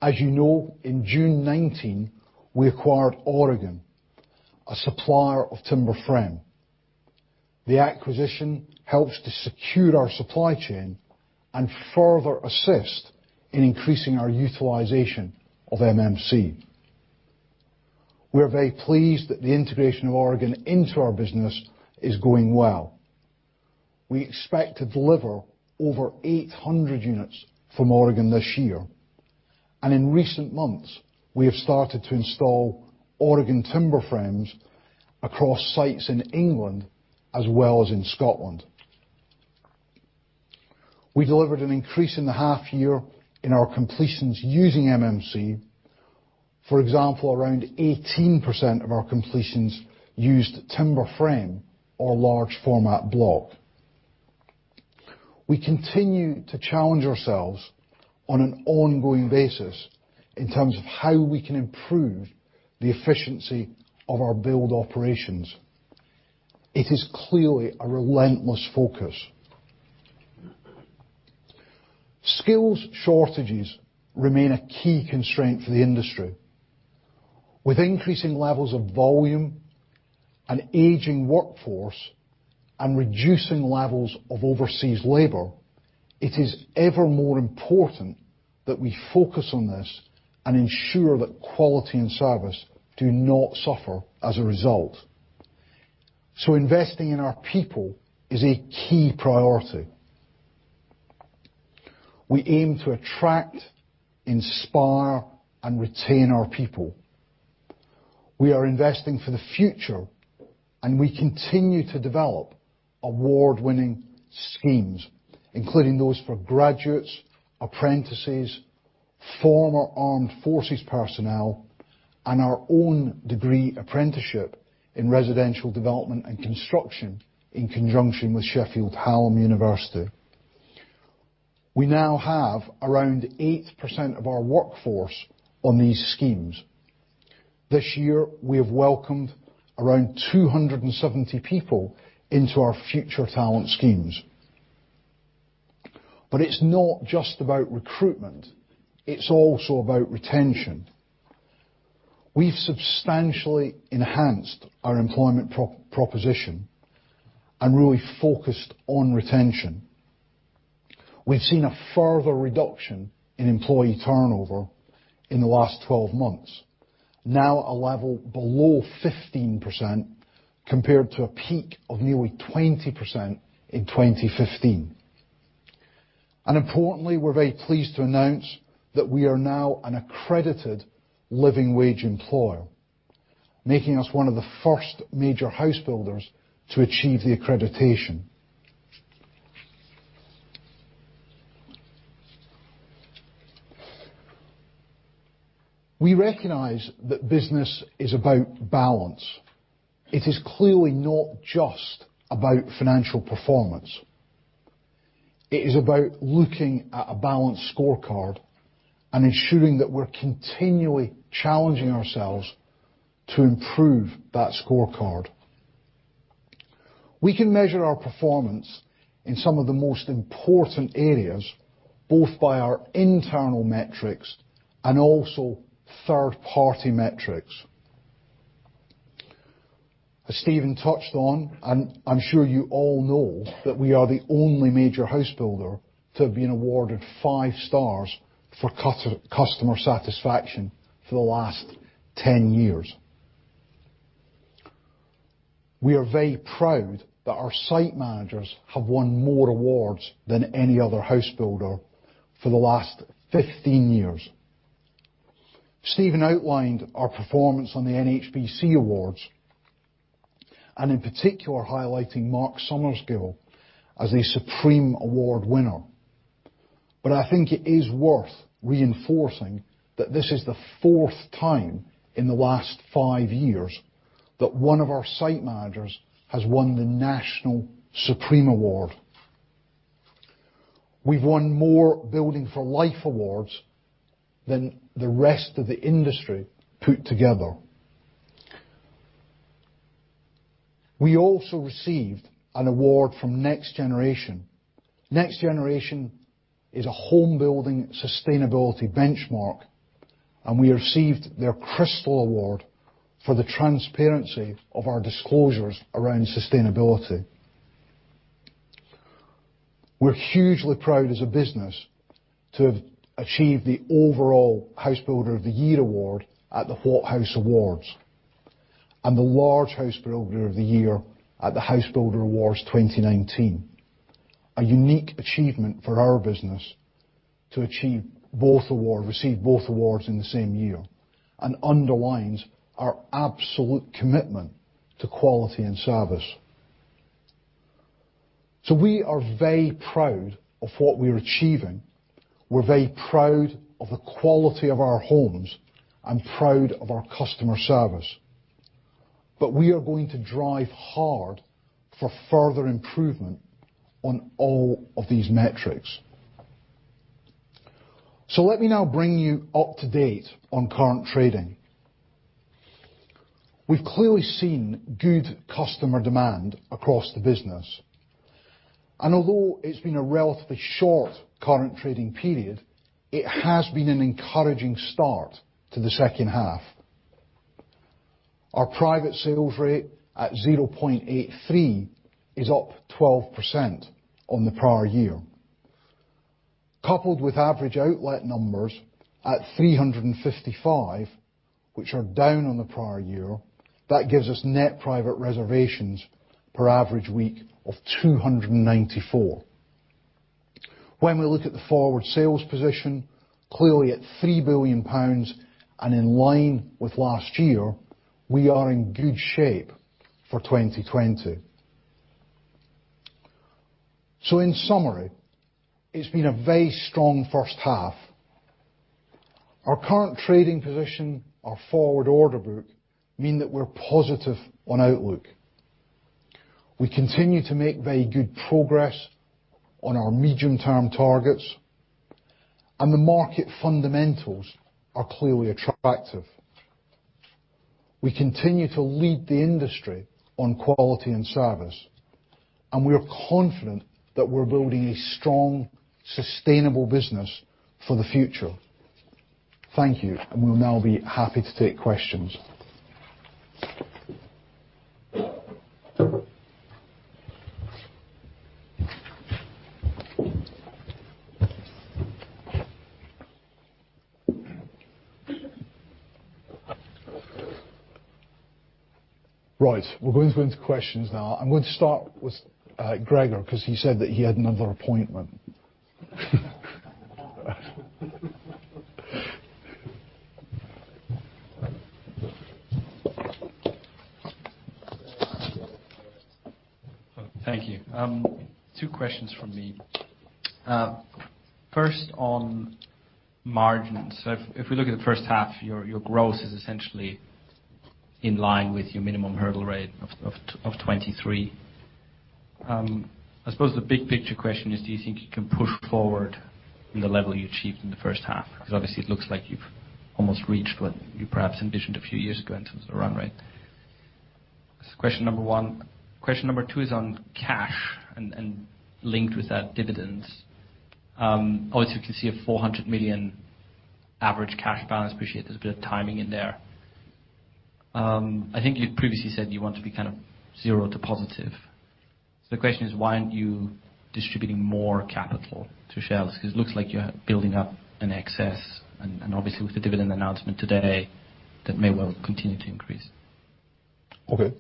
As you know, in June 19, we acquired Oregon, a supplier of timber frame. The acquisition helps to secure our supply chain and further assist in increasing our utilization of MMC. We are very pleased that the integration of Oregon into our business is going well. We expect to deliver over 800 units from Oregon this year. In recent months, we have started to install Oregon timber frames across sites in England as well as in Scotland. We delivered an increase in the half year in our completions using MMC. For example, around 18% of our completions used timber frame or large format block. We continue to challenge ourselves on an ongoing basis in terms of how we can improve the efficiency of our build operations. It is clearly a relentless focus. Skills shortages remain a key constraint for the industry. With increasing levels of volume, an aging workforce, and reducing levels of overseas labor, it is ever more important that we focus on this and ensure that quality and service do not suffer as a result. Investing in our people is a key priority. We aim to attract, inspire, and retain our people. We are investing for the future, and we continue to develop award-winning schemes, including those for graduates, apprentices, former armed forces personnel, and our own degree apprenticeship in residential development and construction in conjunction with Sheffield Hallam University. We now have around 8% of our workforce on these schemes. This year, we have welcomed around 270 people into our future talent schemes. It's not just about recruitment, it's also about retention. We've substantially enhanced our employment proposition and really focused on retention. We've seen a further reduction in employee turnover in the last 12 months, now a level below 15% compared to a peak of nearly 20% in 2015. Importantly, we're very pleased to announce that we are now an accredited living wage employer, making us one of the first major housebuilders to achieve the accreditation. We recognize that business is about balance. It is clearly not just about financial performance. It is about looking at a balanced scorecard and ensuring that we're continually challenging ourselves to improve that scorecard. We can measure our performance in some of the most important areas, both by our internal metrics and also third-party metrics. As Steven touched on, and I'm sure you all know, that we are the only major housebuilder to have been awarded five stars for customer satisfaction for the last 10 years. We are very proud that our site managers have won more awards than any other housebuilder for the last 15 years. Steven outlined our performance on the NHBC Awards, in particular highlighting Mark Summersgill as a Supreme Award winner. I think it is worth reinforcing that this is the 4th time in the last five years that one of our site managers has won the National Supreme Award. We have won more Building for Life Awards than the rest of the industry put together. We also received an award from NextGeneration. NextGeneration is a homebuilding sustainability benchmark. We received their Crystal Award for the transparency of our disclosures around sustainability. We're hugely proud as a business to have achieved the overall Housebuilder of the Year award at the What House? Awards and the Large Housebuilder of the Year at the Housebuilder Awards 2019. A unique achievement for our business to receive both awards in the same year underlines our absolute commitment to quality and service. We are very proud of what we're achieving. We're very proud of the quality of our homes and proud of our customer service. We are going to drive hard for further improvement on all of these metrics. Let me now bring you up to date on current trading. We've clearly seen good customer demand across the business. Although it's been a relatively short current trading period, it has been an encouraging start to the second half. Our private sales rate, at 0.83%, is up 12% on the prior year. Coupled with average outlet numbers at 355, which are down on the prior year, that gives us net private reservations per average week of 294. When we look at the forward sales position, clearly at 3 billion pounds, and in line with last year, we are in good shape for 2020. In summary, it's been a very strong first half. Our current trading position, our forward order book, mean that we're positive on outlook. We continue to make very good progress on our medium-term targets. The market fundamentals are clearly attractive. We continue to lead the industry on quality and service. We are confident that we're building a strong, sustainable business for the future. Thank you. We'll now be happy to take questions. Right. We're going to go into questions now. I'm going to start with Gregor, because he said that he had another appointment. Thank you. Two questions from me. 1st, on margins. If we look at the first half, your growth is essentially in line with your minimum hurdle rate of 23%. I suppose the big picture question is, do you think you can push forward the level you achieved in the first half? Because obviously it looks like you've almost reached what you perhaps envisioned a few years ago in terms of run rate. That's question number one. Question number two is on cash, and linked with that, dividends. Obviously we can see a 400 million average cash balance. Appreciate there's a bit of timing in there. I think you previously said you want to be kind of zero to positive. The question is, why aren't you distributing more capital to shareholders? It looks like you're building up an excess, and obviously with the dividend announcement today, that may well continue to increase. Okay.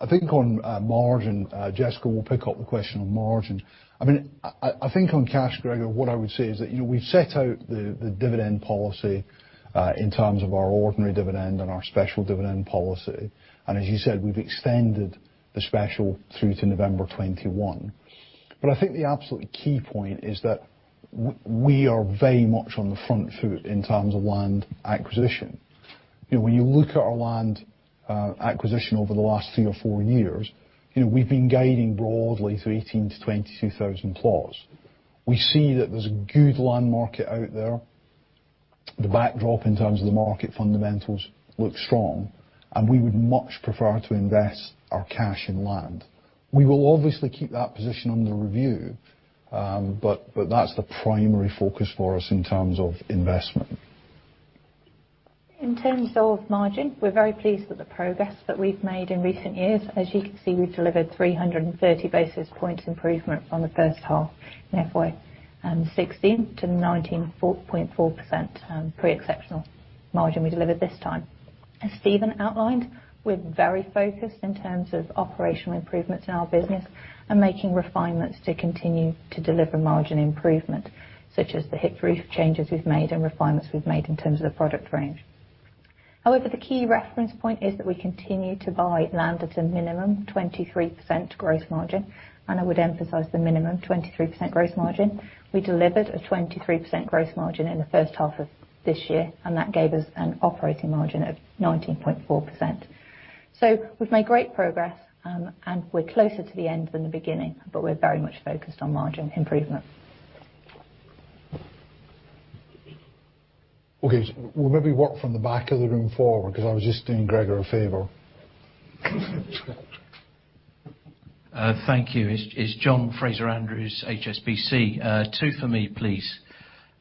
I think on margin, Jessica will pick up the question on margin. I think on cash, Gregor, what I would say is that, we've set out the dividend policy, in terms of our ordinary dividend and our special dividend policy. As you said, we've extended the special through to November 2021. I think the absolute key point is that we are very much on the front foot in terms of land acquisition. When you look at our land acquisition over the last three or four years, we've been guiding broadly through 18,000-22,000 plots. We see that there's a good land market out there. The backdrop in terms of the market fundamentals looks strong, and we would much prefer to invest our cash in land. We will obviously keep that position under review, but that's the primary focus for us in terms of investment. In terms of margin, we're very pleased with the progress that we've made in recent years. As you can see, we've delivered 330 basis points improvement from the first half in FY 2016 to 19.4% pre-exceptional margin we delivered this time. As Steven outlined, we're very focused in terms of operational improvements in our business and making refinements to continue to deliver margin improvement, such as the Hip Roof changes we've made and refinements we've made in terms of the product range. However, the key reference point is that we continue to buy land at a minimum 23% gross margin, and I would emphasize the minimum 23% gross margin. We delivered a 23% gross margin in the first half of this year, and that gave us an operating margin of 19.4%. We've made great progress, and we're closer to the end than the beginning, but we're very much focused on margin improvement. Okay. We'll maybe work from the back of the room forward, because I was just doing Gregor a favor. Thank you. It's John Fraser-Andrews, HSBC. Two for me, please.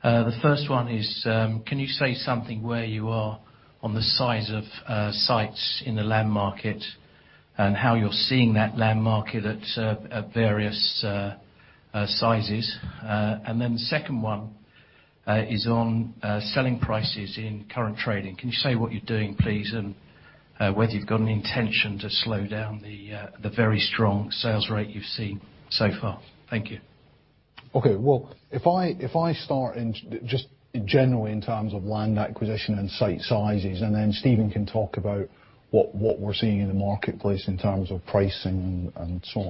The 1st one is, can you say something where you are on the size of sites in the land market and how you're seeing that land market at various sizes? Then the second one is on selling prices in current trading. Can you say what you're doing, please? Whether you've got an intention to slow down the very strong sales rate you've seen so far. Thank you. Well, if I start just generally in terms of land acquisition and site sizes, then Steven can talk about what we're seeing in the marketplace in terms of pricing and so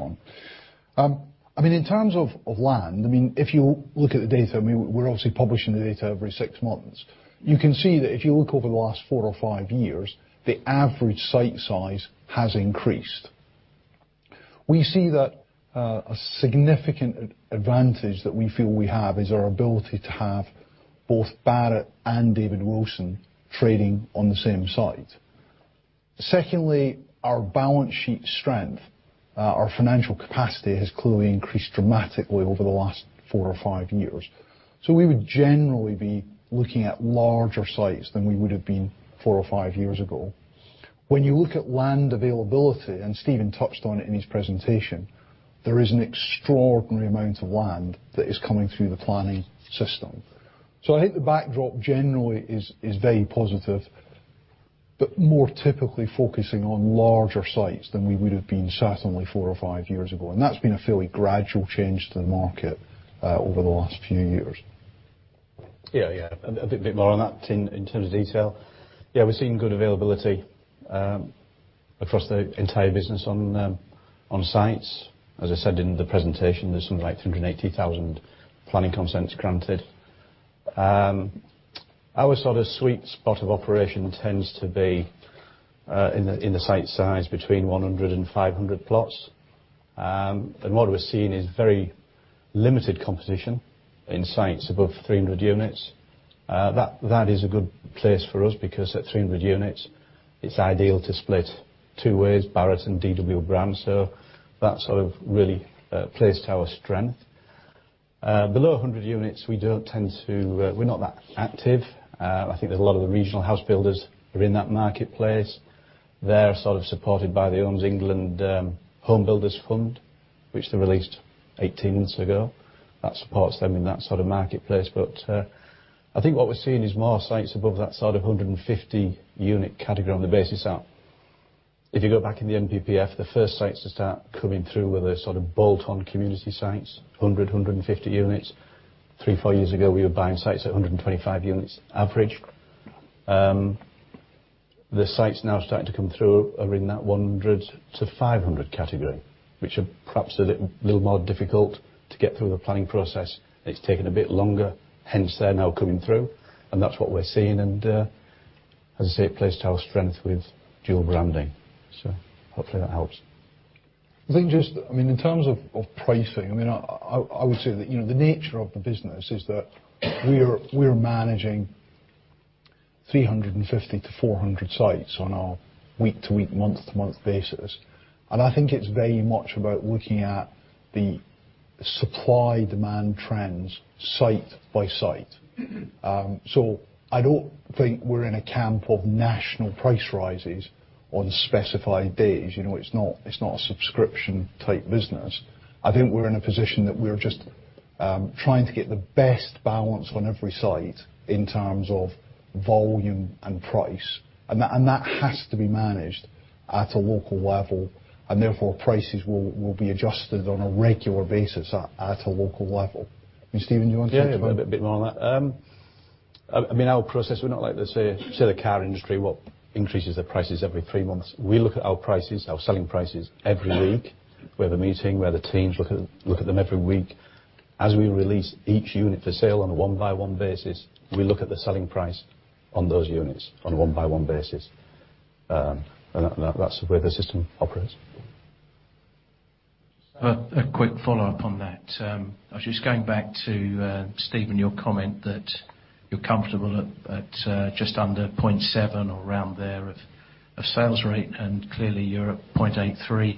on. In terms of land, if you look at the data, we're obviously publishing the data every six months. You can see that if you look over the last four or five years, the average site size has increased. We see that a significant advantage that we feel we have is our ability to have both Barratt and David Wilson trading on the same site. Secondly, our balance sheet strength, our financial capacity, has clearly increased dramatically over the last four or five years. We would generally be looking at larger sites than we would have been four or five years ago. When you look at land availability, Steven touched on it in his presentation, there is an extraordinary amount of land that is coming through the planning system. I think the backdrop generally is very positive, more typically focusing on larger sites than we would have been certainly four or five years ago. That's been a fairly gradual change to the market over the last few years. Yeah. A bit more on that in terms of detail. Yeah, we're seeing good availability across the entire business on sites. As I said in the presentation, there's something like 380,000 planning consents granted. Our sort of sweet spot of operation tends to be in the site size between 100 and 500 plots. What we're seeing is very limited competition in sites above 300 units. That is a good place for us because at 300 units, it's ideal to split two ways, Barratt and DW brands. That's really plays to our strength. Below 100 units, we're not that active. I think there's a lot of the regional house builders are in that marketplace. They're sort of supported by the Homes England Home Building Fund, which they released 18 months ago. That supports them in that sort of marketplace. I think what we're seeing is more sites above that sort of 150 unit category on the basis that if you go back in the NPPF, the first sites to start coming through were the sort of bolt-on community sites, 100, 150 units. Three, four years ago, we were buying sites at 125 units average. The sites now starting to come through are in that 100-500 category, which are perhaps a little more difficult to get through the planning process. It's taken a bit longer, hence they're now coming through. That's what we're seeing, and as I say, it plays to our strength with dual branding. Hopefully that helps. I think just, in terms of pricing, I would say that the nature of the business is that we are managing 350-400 sites on our week-to-week, month-to-month basis. I think it's very much about looking at the supply-demand trends site by site. I don't think we're in a camp of national price rises on specified days. It's not a subscription type business. I think we're in a position that we're just trying to get the best balance on every site in terms of volume and price, and that has to be managed at a local level, and therefore prices will be adjusted on a regular basis at a local level. I mean, Steven, do you want to? Yeah. A bit more on that. Our process, we're not like the, say, the car industry, what, increases their prices every three months. We look at our prices, our selling prices every week. We have a meeting where the teams look at them every week. As we release each unit for sale on a one-by-one basis, we look at the selling price on those units on a one-by-one basis. That's the way the system operates. A quick follow-up on that. I was just going back to, Steven, your comment that you're comfortable at just under 0.7% or around there of sales rate. Clearly, you're at 0.83%,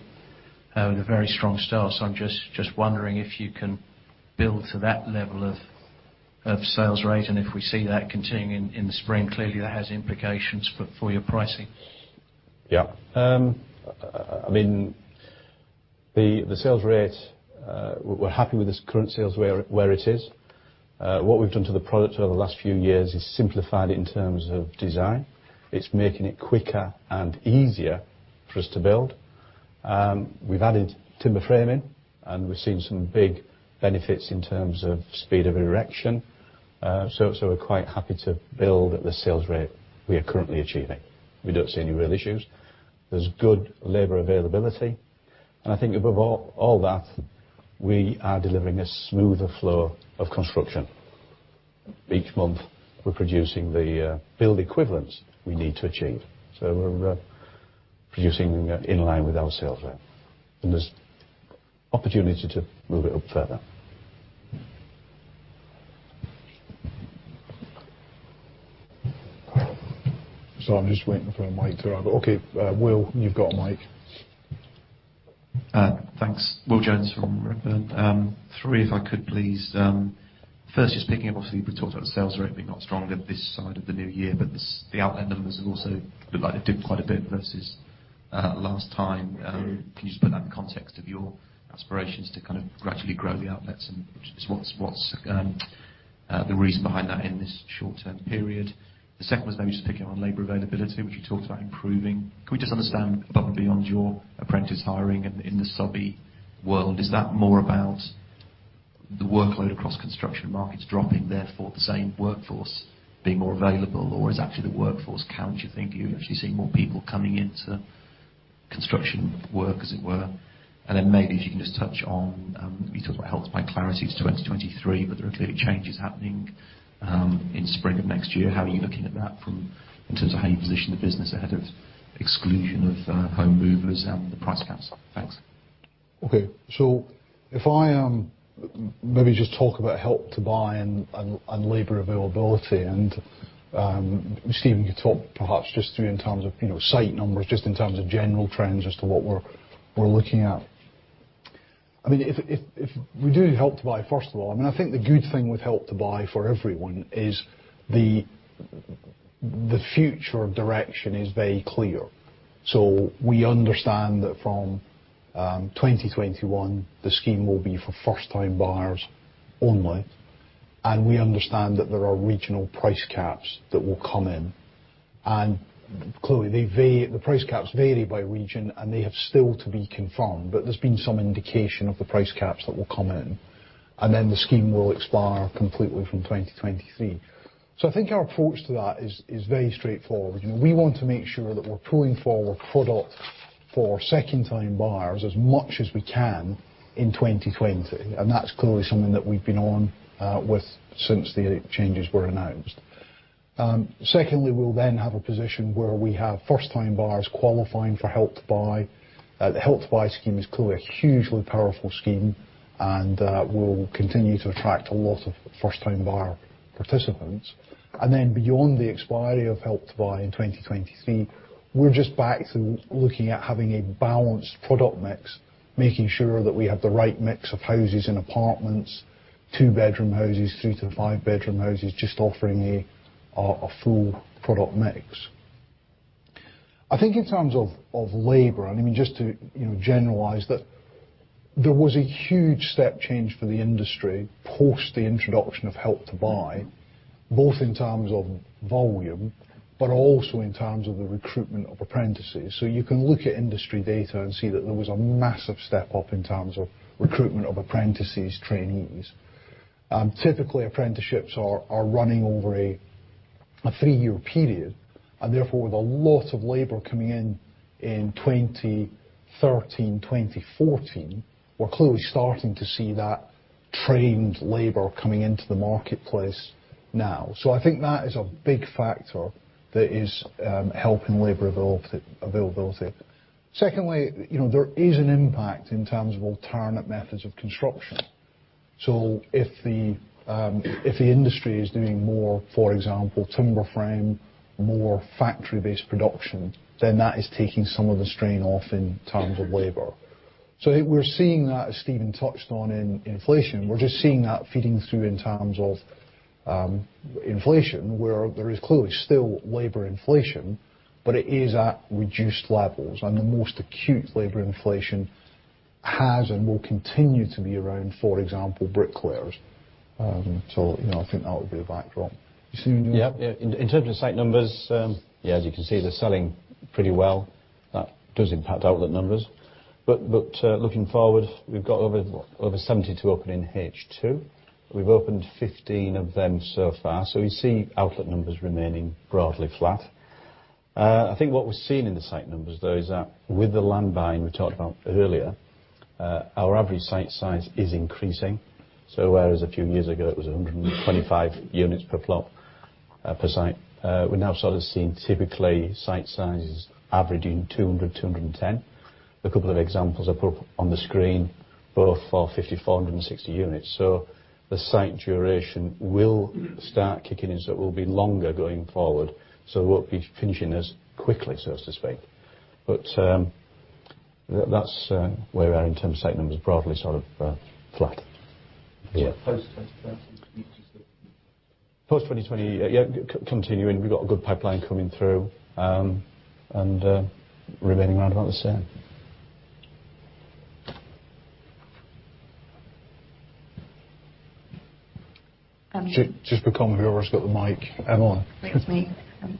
having a very strong start. I'm just wondering if you can build to that level of sales rate, and if we see that continuing in the spring? Clearly, that has implications for your pricing. Yeah. The sales, we're happy with this current sales where it is. What we've done to the product over the last few years is simplified it in terms of design. It's making it quicker and easier for us to build. We've added timber framing, and we've seen some big benefits in terms of speed of erection. We're quite happy to build at the sales rate we are currently achieving. We don't see any real issues. There's good labor availability. I think above all that, we are delivering a smoother flow of construction. Each month, we're producing the build equivalents we need to achieve, so we're producing in line with our sales rate, and there's opportunity to move it up further. Sorry, I'm just waiting for a mic to arrive. Okay, Will, you've got a mic. Thanks. Will Jones from Redburn. Three, if I could please. 1st, just picking up, obviously, we've talked about sales rate being up strongly this side of the new year, but the outlet numbers have also looked like they've dipped quite a bit versus last time. Can you just put that in the context of your aspirations to kind of gradually grow the outlets, and just what's the reason behind that in this short-term period? The 2nd was maybe just picking on labor availability, which you talked about improving. Can we just understand above and beyond your apprentice hiring in the subby world, is that more about the workload across construction markets dropping, therefore the same workforce being more available? Is actually the workforce count, do you think you're actually seeing more people coming into construction work, as it were? Maybe if you can just touch on, you talked about Help to Buy clarity to 2023, but there are clearly changes happening in spring of next year. How are you looking at that in terms of how you position the business ahead of exclusion of home movers and the price caps? Thanks. Okay. If I maybe just talk about Help to Buy and labor availability and, Steven, you talk perhaps just through in terms of site numbers, just in terms of general trends as to what we're looking at. If we do Help to Buy, first of all, I think the good thing with Help to Buy for everyone is the future direction is very clear. We understand that from 2021, the scheme will be for first-time buyers only, and we understand that there are regional price caps that will come in. Clearly, the price caps vary by region, and they have still to be confirmed, but there's been some indication of the price caps that will come in. The scheme will expire completely from 2023. I think our approach to that is very straightforward. We want to make sure that we're pulling forward product for second-time buyers as much as we can in 2020. That's clearly something that we've been on with since the changes were announced. Secondly, we'll then have a position where we have first-time buyers qualifying for Help to Buy. The Help to Buy scheme is clearly a hugely powerful scheme and will continue to attract a lot of first-time buyer participants. Beyond the expiry of Help to Buy in 2023, we're just back to looking at having a balanced product mix, making sure that we have the right mix of houses and apartments, two-bedroom houses, three to five-bedroom houses, just offering a full product mix. I think in terms of labor, just to generalize, there was a huge step change for the industry post the introduction of Help to Buy, both in terms of volume, but also in terms of the recruitment of apprentices. You can look at industry data and see that there was a massive step up in terms of recruitment of apprentices, trainees. Typically, apprenticeships are running over a three-year period, and therefore, with a lot of labor coming in in 2013, 2014, we're clearly starting to see that trained labor coming into the marketplace now. I think that is a big factor that is helping labor availability. Secondly, there is an impact in terms of alternate methods of construction. If the industry is doing more, for example, timber frame, more factory-based production, then that is taking some of the strain off in terms of labor. We're seeing that, as Steven touched on in inflation, we're just seeing that feeding through in terms of inflation, where there is clearly still labor inflation, but it is at reduced levels. The most acute labor inflation has and will continue to be around, for example, bricklayers. I think that will be the backdrop. Yeah. In terms of site numbers, yeah, as you can see, they're selling pretty well. That does impact outlet numbers. Looking forward, we've got over 72 opening H2. We've opened 15 of them so far, so we see outlet numbers remaining broadly flat. I think what we're seeing in the site numbers, though, is that with the land buying we talked about earlier, our average site size is increasing. Whereas a few years ago, it was 125 units per plot, per site, we're now sort of seeing typically site sizes averaging 200, 210. A couple of examples I put up on the screen, both are 5,460 units. The site duration will start kicking in, so it will be longer going forward. We won't be finishing as quickly, so to speak. That's where we are in terms of site numbers, broadly sort of flat. Yeah. Post 2020. Post 2020, yeah, continuing. We've got a good pipeline coming through, and remaining around about the same. Just be calm, whoever's got the mic. Emily. It's me.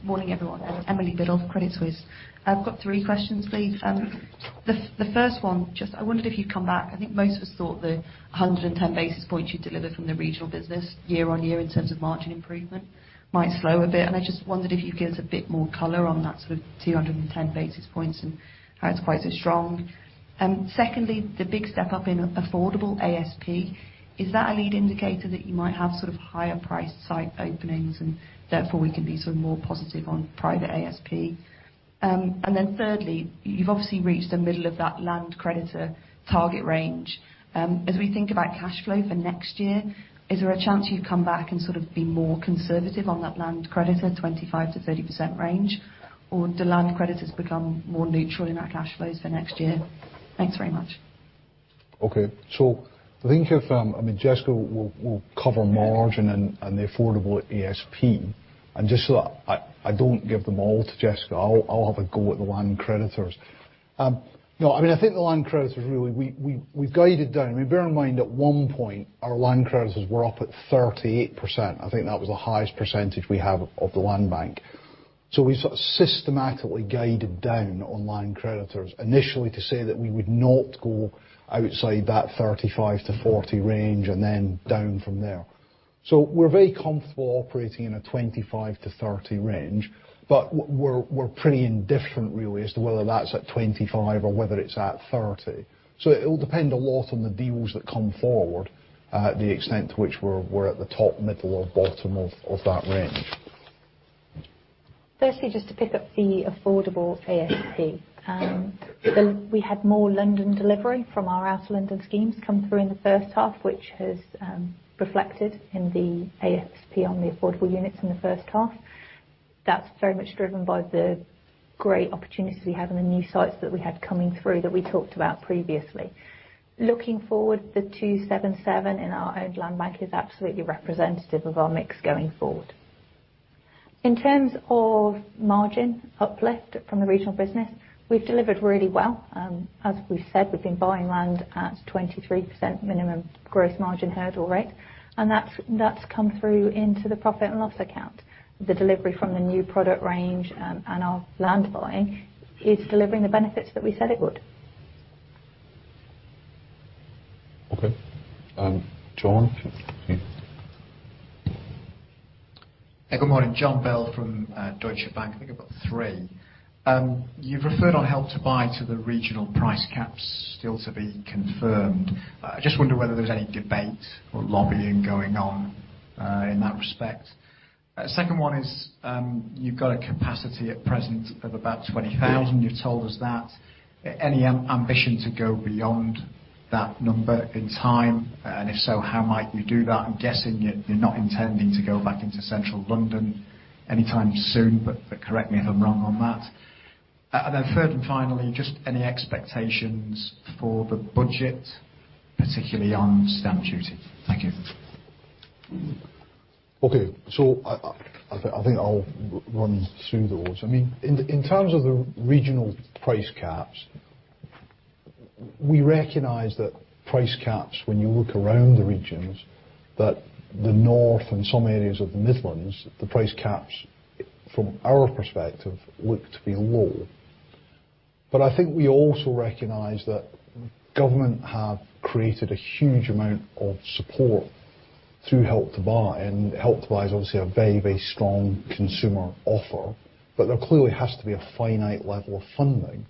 Morning, everyone. Emily Biddulph, Credit Suisse. I've got three questions, please. The 1st one, just I wondered if you'd come back. I think most of us thought the 110 basis points you delivered from the regional business year-on-year in terms of margin improvement might slow a bit. I just wondered if you'd give us a bit more color on that sort of 210 basis points and how it's quite so strong. Secondly, the big step up in affordable ASP, is that a lead indicator that you might have sort of higher priced site openings and therefore we can be sort of more positive on private ASP? Thirdly, you've obviously reached the middle of that land creditor target range. As we think about cash flow for next year, is there a chance you'd come back and sort of be more conservative on that land creditor 25%-30% range, or do land creditors become more neutral in our cash flows for next year? Thanks very much. Okay. I think if, Jessica will cover margin and the affordable ASP. Just so that I don't give them all to Jessica, I'll have a go at the land creditors. No, I think the land creditors, really, we've guided down. Bear in mind, at one point, our land creditors were up at 38%. I think that was the highest percentage we have of the land bank. We've sort of systematically guided down on land creditors, initially to say that we would not go outside that 35%-40% range and then down from there. We're very comfortable operating in a 25%-30% range, but we're pretty indifferent really as to whether that's at 25% or whether it's at 30%. It will depend a lot on the deals that come forward, the extent to which we're at the top, middle or bottom of that range. Firstly, just to pick up the affordable ASP. We had more London delivery from our Out of London schemes come through in the first half, which has reflected in the ASP on the affordable units in the first half. That's very much driven by the great opportunities we have in the new sites that we had coming through that we talked about previously. Looking forward, the 277 in our own land bank is absolutely representative of our mix going forward. In terms of margin uplift from the regional business, we've delivered really well. As we've said, we've been buying land at 23% minimum gross margin hurdle rate, and that's come through into the profit and loss account. The delivery from the new product range and our land buying is delivering the benefits that we said it would. Okay. John? Good morning. Jon Bell from Deutsche Bank. I think I've got three. You've referred on Help to Buy to the regional price caps still to be confirmed. I just wonder whether there's any debate or lobbying going on in that respect. 2nd one is, you've got a capacity at present of about 20,000. You've told us that. Any ambition to go beyond that number in time, and if so, how might you do that? I'm guessing you're not intending to go back into Central London anytime soon, but correct me if I'm wrong on that. 3rd and finally, just any expectations for the budget, particularly on stamp duty? Thank you. Okay. I think I'll run through those. In terms of the regional price caps, we recognize that price caps, when you look around the regions, that the North and some areas of the Midlands, the price caps, from our perspective, look to be low. I think we also recognize that government have created a huge amount of support through Help to Buy, and Help to Buy is obviously a very strong consumer offer, but there clearly has to be a finite level of funding.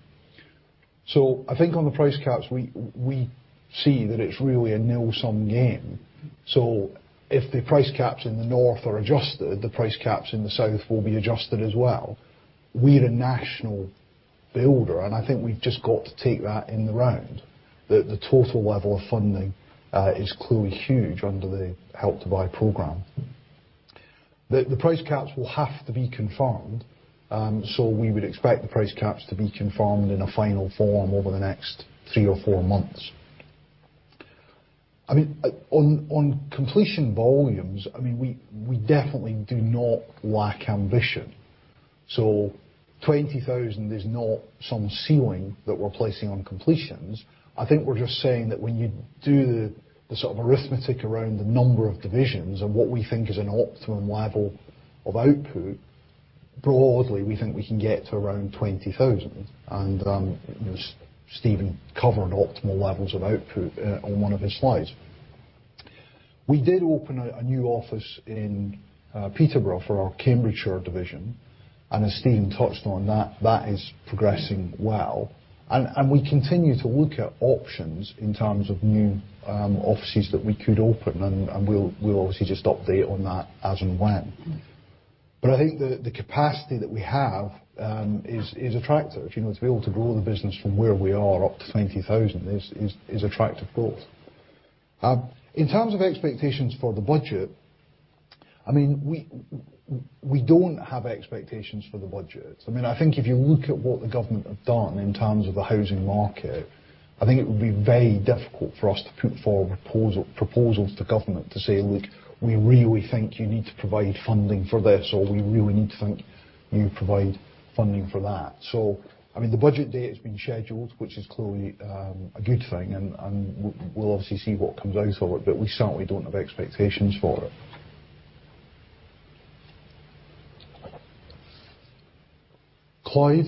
I think on the price caps, we see that it's really a nil-sum game. If the price caps in the North are adjusted, the price caps in the South will be adjusted as well. We're a national builder, and I think we've just got to take that in the round, that the total level of funding is clearly huge under the Help to Buy program. The price caps will have to be confirmed. We would expect the price caps to be confirmed in a final form over the next three or four months. On completion volumes, we definitely do not lack ambition. 20,000 is not some ceiling that we're placing on completions. I think we're just saying that when you do the sort of arithmetic around the number of divisions and what we think is an optimum level of output, broadly, we think we can get to around 20,000, and Steven covered optimal levels of output on one of his slides. We did open a new office in Peterborough for our Cambridgeshire division. As Steven touched on that is progressing well. We continue to look at options in terms of new offices that we could open, and we'll obviously just update on that as and when. I think the capacity that we have is attractive to be able to grow the business from where we are up to 20,000 is attractive growth. In terms of expectations for the budget, we don't have expectations for the budget. I think if you look at what the government have done in terms of the housing market, I think it would be very difficult for us to put forward proposals to government to say, "Look, we really think you need to provide funding for this," or, "We really need to think you provide funding for that." The budget date has been scheduled, which is clearly a good thing, and we'll obviously see what comes out of it, but we certainly don't have expectations for it. Clyde,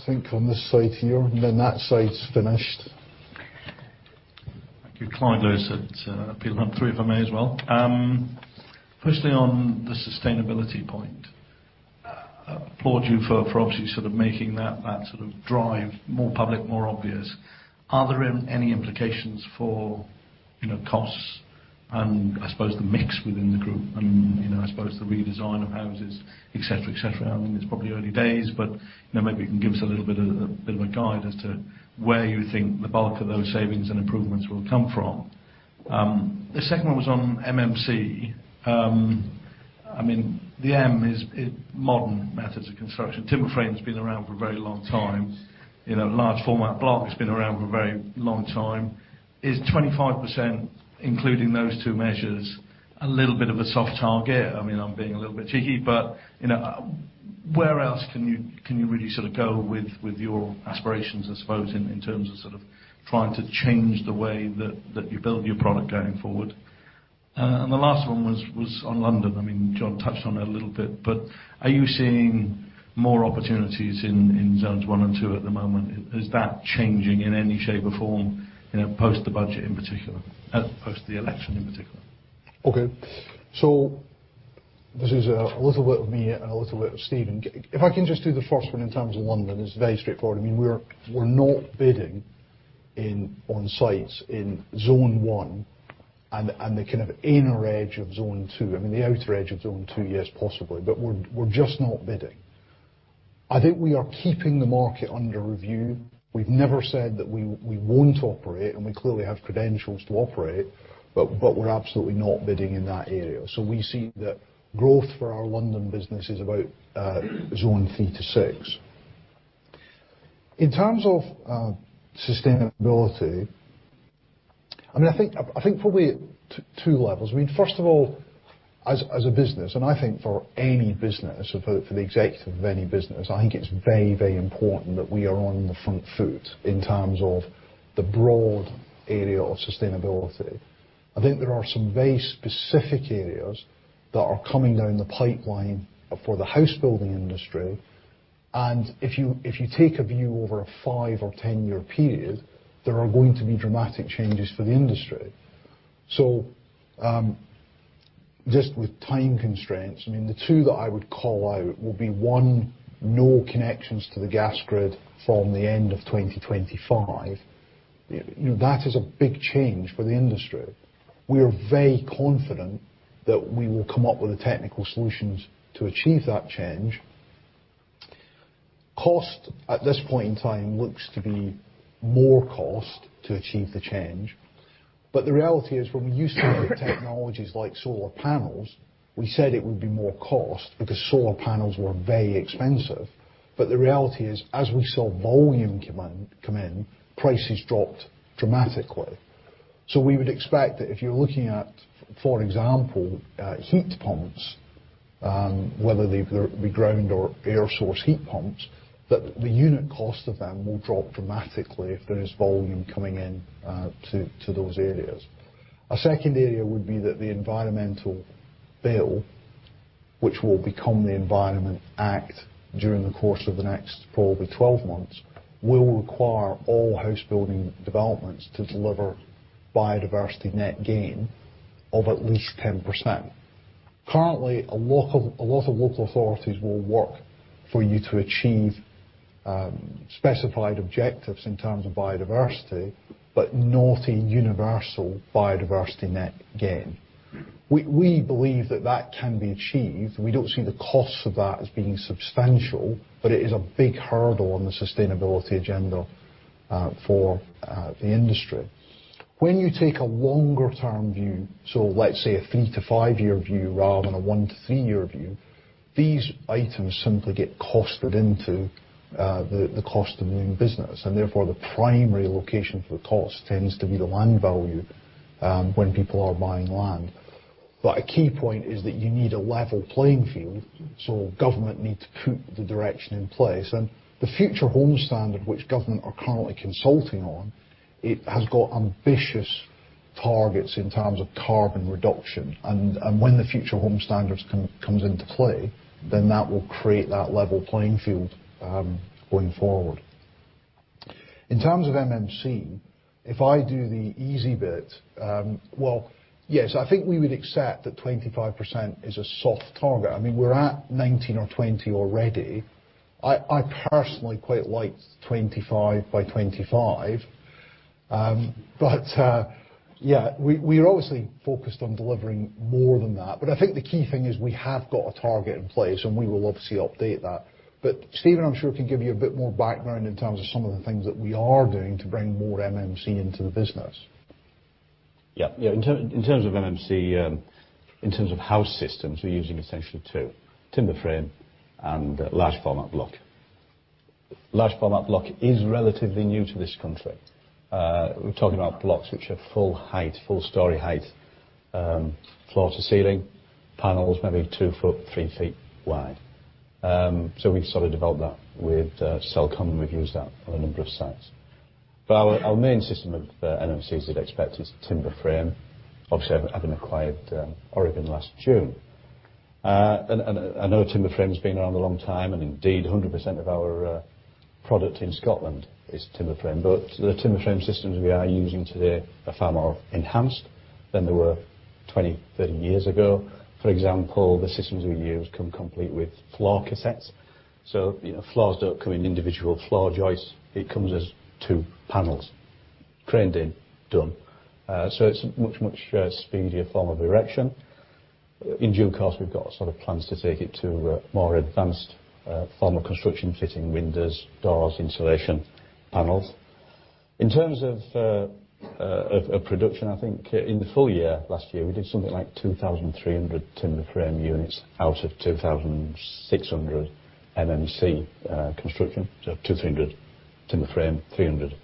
I think, on this side here, and then that side's finished. Thank you. Clyde Lewis at Peel Hunt. Three if I may, as well. Firstly, on the sustainability point. I applaud you for obviously sort of making that sort of drive more public, more obvious. Are there any implications for costs and I suppose the mix within the group and I suppose the redesign of houses, et cetera? I think it's probably early days, but maybe you can give us a little bit of a guide as to where you think the bulk of those savings and improvements will come from. The 2nd one was on MMC. The M is modern methods of construction timber frame has been around for a very long time. Large format block has been around for a very long time. Is 25%, including those two measures, a little bit of a soft target? I'm being a little bit cheeky, where else can you really sort of go with your aspirations, I suppose, in terms of sort of trying to change the way that you build your product going forward? The last one was on London. John touched on it a little bit, but are you seeing more opportunities in Zones one and two at the moment? Is that changing in any shape or form, post the budget in particular, post the election in particular? Okay. This is a little bit of me and a little bit of Steven. If I can just do the first one in terms of London, it's very straightforward. We're not bidding on sites in Zone 1 and the kind of inner edge of Zone 2. The outer edge of Zone 2, yes, possibly, we're just not bidding. I think we are keeping the market under review. We've never said that we won't operate, and we clearly have credentials to operate, we're absolutely not bidding in that area. We see that growth for our London business is about Zone 3-6. In terms of sustainability, I think probably two levels. First of all, as a business, and I think for any business, for the executive of any business, I think it's very important that we are on the front foot in terms of the broad area of sustainability. I think there are some very specific areas that are coming down the pipeline for the housebuilding industry. And if you take a view over a 5 or 10-year period, there are going to be dramatic changes for the industry. Just with time constraints, I mean, the two that I would call out will be one, no connections to the gas grid from the end of 2025. That is a big change for the industry. We are very confident that we will come up with the technical solutions to achieve that change. Cost, at this point in time, looks to be more cost to achieve the change. The reality is, when we used to look at technologies like solar panels, we said it would be more cost because solar panels were very expensive. The reality is, as we saw volume come in, prices dropped dramatically. We would expect that if you're looking at, for example, heat pumps, whether they be ground or air source heat pumps, that the unit cost of them will drop dramatically if there is volume coming in to those areas. A second area would be that the Environment Bill, which will become the Environment Act during the course of the next probably 12 months, will require all house building developments to deliver biodiversity net gain of at least 10%. Currently, a lot of local authorities will work for you to achieve specified objectives in terms of biodiversity, but not a universal biodiversity net gain. We believe that that can be achieved. We don't see the costs of that as being substantial, but it is a big hurdle on the sustainability agenda for the industry. When you take a longer-term view, so let's say a three to five-year view rather than a one to three-year view, these items simply get costed into the cost of doing business, and therefore, the primary location for cost tends to be the land value when people are buying land. A key point is that you need a level playing field. Government need to put the direction in place. The Future Homes Standard, which government are currently consulting on, it has got ambitious targets in terms of carbon reduction. When the Future Homes Standard comes into play, then that will create that level playing field going forward. In terms of MMC, if I do the easy bit, well, yes, I think we would accept that 25% is a soft target. I mean, we're at 19 or 20 already. I personally quite like 25 by 2025. Yeah, we are obviously focused on delivering more than that. I think the key thing is we have got a target in place, and we will obviously update that. Steven, I'm sure, can give you a bit more background in terms of some of the things that we are doing to bring more MMC into the business. In terms of MMC, in terms of house systems, we're using essentially two: timber frame and large format block. Large format block is relatively new to this country. We're talking about blocks which are full height, full story height, floor to ceiling panels, maybe 2 ft, 3 ft wide. We've sort of developed that with Selco, and we've used that on a number of sites. Our main system of MMC, as you'd expect, is timber frame. Obviously, having acquired Oregon last June. I know timber frame's been around a long time, and indeed, 100% of our product in Scotland is timber frame. The timber frame systems we are using today are far more enhanced than they were 20, 30 years ago. For example, the systems we use come complete with floor cassettes. Floors don't come in individual floor joists. It comes as two panels craned in, done. It's a much speedier form of erection. In due course, we've got sort of plans to take it to a more advanced form of construction, fitting windows, doors, insulation panels. In terms of production, I think in the full year, last year, we did something like 2,300 timber frame units out of 2,600 MMC construction. 2,300 timber frame, 300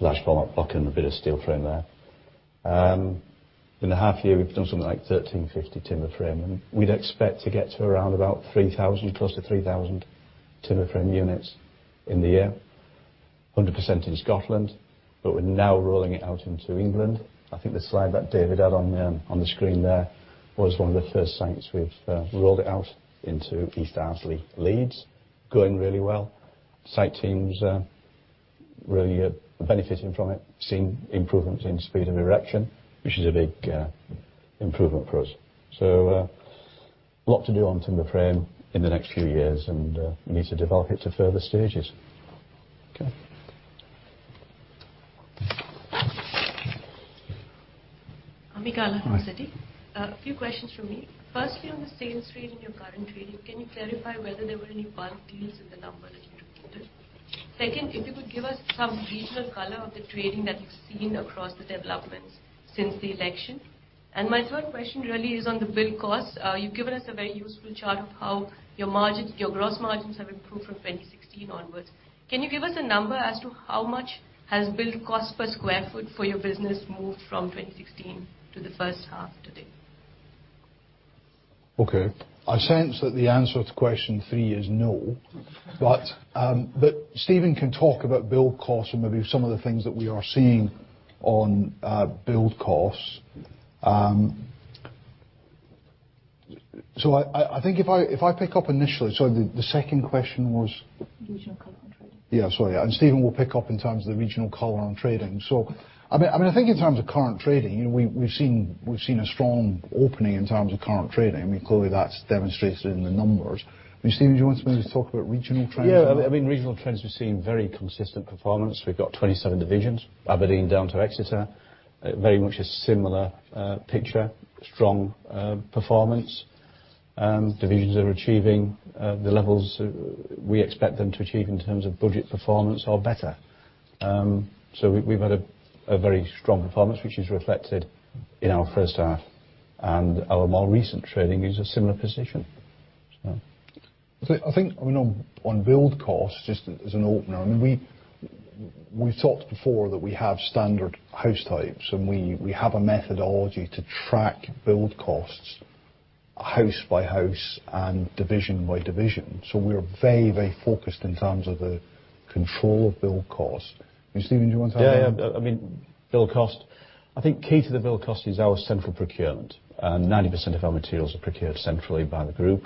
large format block, and a bit of steel frame there. In the half year, we've done something like 1,350 timber frame. We'd expect to get to around about 3,000, close to 3,000 timber frame units in the year, 100% in Scotland. We're now rolling it out into England. I think the slide that David had on the screen there was one of the first sites we've rolled it out into, East Ardsley, Leeds. Going really well. Site team's really benefiting from it, seeing improvements in speed of erection, which is a big improvement for us. A lot to do on timber frame in the next few years, and we need to develop it to further stages. Okay. Amika Lahoti. Hi. A few questions from me. Firstly, on the sales trade in your current trading, can you clarify whether there were any bulk deals in the number that you reported? 2nd, if you could give us some regional color of the trading that you've seen across the developments since the election. My 3rd question really is on the build cost. You've given us a very useful chart of how your gross margins have improved from 2016 onwards. Can you give us a number as to how much has build cost per square foot for your business moved from 2016 to the first half today? Okay. I sense that the answer to question three is no. Steven can talk about build costs and maybe some of the things that we are seeing on build costs. I think if I pick up initially, the 2nd question was? Regional color on trading. Yeah, sorry. Steven will pick up in terms of the regional color on trading. I think in terms of current trading, we've seen a strong opening in terms of current trading. Clearly, that's demonstrated in the numbers. Steven, do you want to maybe talk about regional trends? Yeah. Regional trends, we're seeing very consistent performance. We've got 27 divisions, Aberdeen down to Exeter. Very much a similar picture, strong performance. Divisions are achieving the levels we expect them to achieve in terms of budget performance or better. We've had a very strong performance, which is reflected in our first half, and our more recent trading is a similar position. I think, on build cost, just as an opener, we've talked before that we have standard house types, and we have a methodology to track build costs house by house and division by division. We are very focused in terms of the control of build cost. Steven, do you want to add on that? Build cost. I think key to the build cost is our central procurement. 90% of our materials are procured centrally by the group,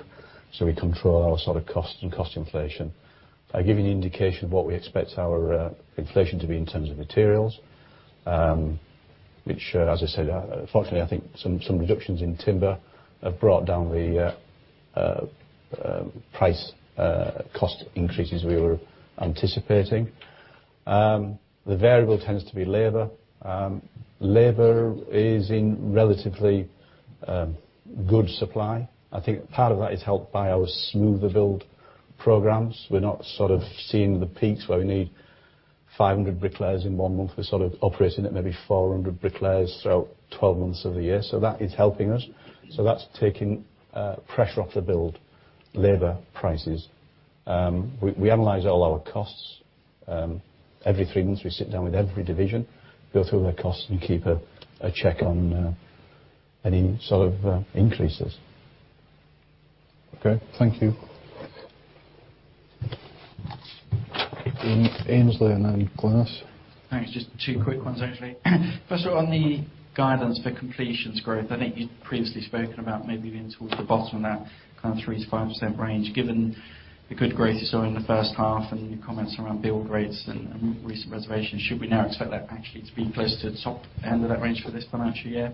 we control our sort of cost and cost inflation. I gave you an indication of what we expect our inflation to be in terms of materials, which, as I said, fortunately, I think some reductions in timber have brought down the price cost increases we were anticipating. The variable tends to be labor. Labor is in relatively good supply. I think part of that is helped by our smoother build programs. We're not sort of seeing the peaks where we need 500 bricklayers in one month. We're sort of operating at maybe 400 bricklayers throughout 12 months of the year. That is helping us. That's taking pressure off the build labor prices. We analyze all our costs. Every three months, we sit down with every division, go through their costs, and keep a check on any sort of increases. Okay. Thank you. Aynsley and then Glynis. Thanks. Just two quick ones, actually. First of all, on the guidance for completions growth, I think you'd previously spoken about maybe being towards the bottom of that kind of 3%-5% range. Given the good growth you saw in the first half and your comments around build rates and recent reservations, should we now expect that actually to be closer to the top end of that range for this financial year?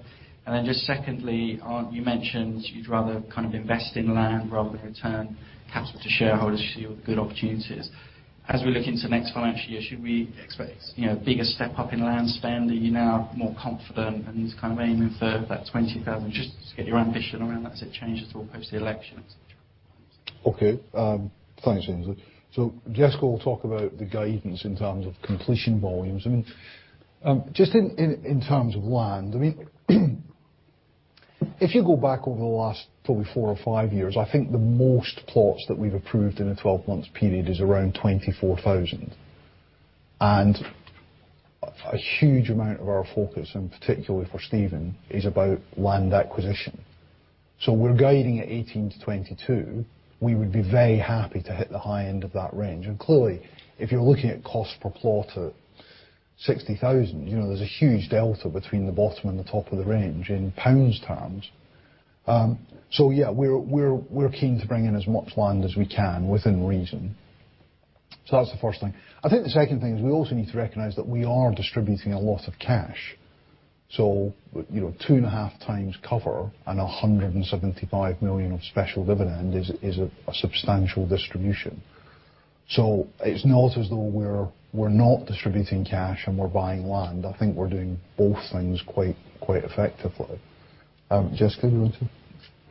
Just secondly, you mentioned you'd rather invest in land rather than return capital to shareholders to see all the good opportunities. As we look into next financial year, should we expect bigger step-up in land spend? Are you now more confident and kind of aiming for that 20,000 just to get your ambition around that, as it changes all post the elections? Okay. Thanks, Aynsley. Jessica will talk about the guidance in terms of completion volumes. Just in terms of land, if you go back over the last probably four or five years, I think the most plots that we've approved in a 12 months period is around 24,000. A huge amount of our focus, and particularly for Steven, is about land acquisition. We're guiding at 18-22. We would be very happy to hit the high end of that range. Clearly, if you're looking at cost per plot at 60,000, there's a huge delta between the bottom and the top of the range in GBP terms. Yeah, we're keen to bring in as much land as we can within reason. That's the first thing. I think the second thing is we also need to recognize that we are distributing a lot of cash. 2.5x cover on 175 million of special dividend is a substantial distribution. It's not as though we're not distributing cash and we're buying land. I think we're doing both things quite effectively. Jessica, do you want to?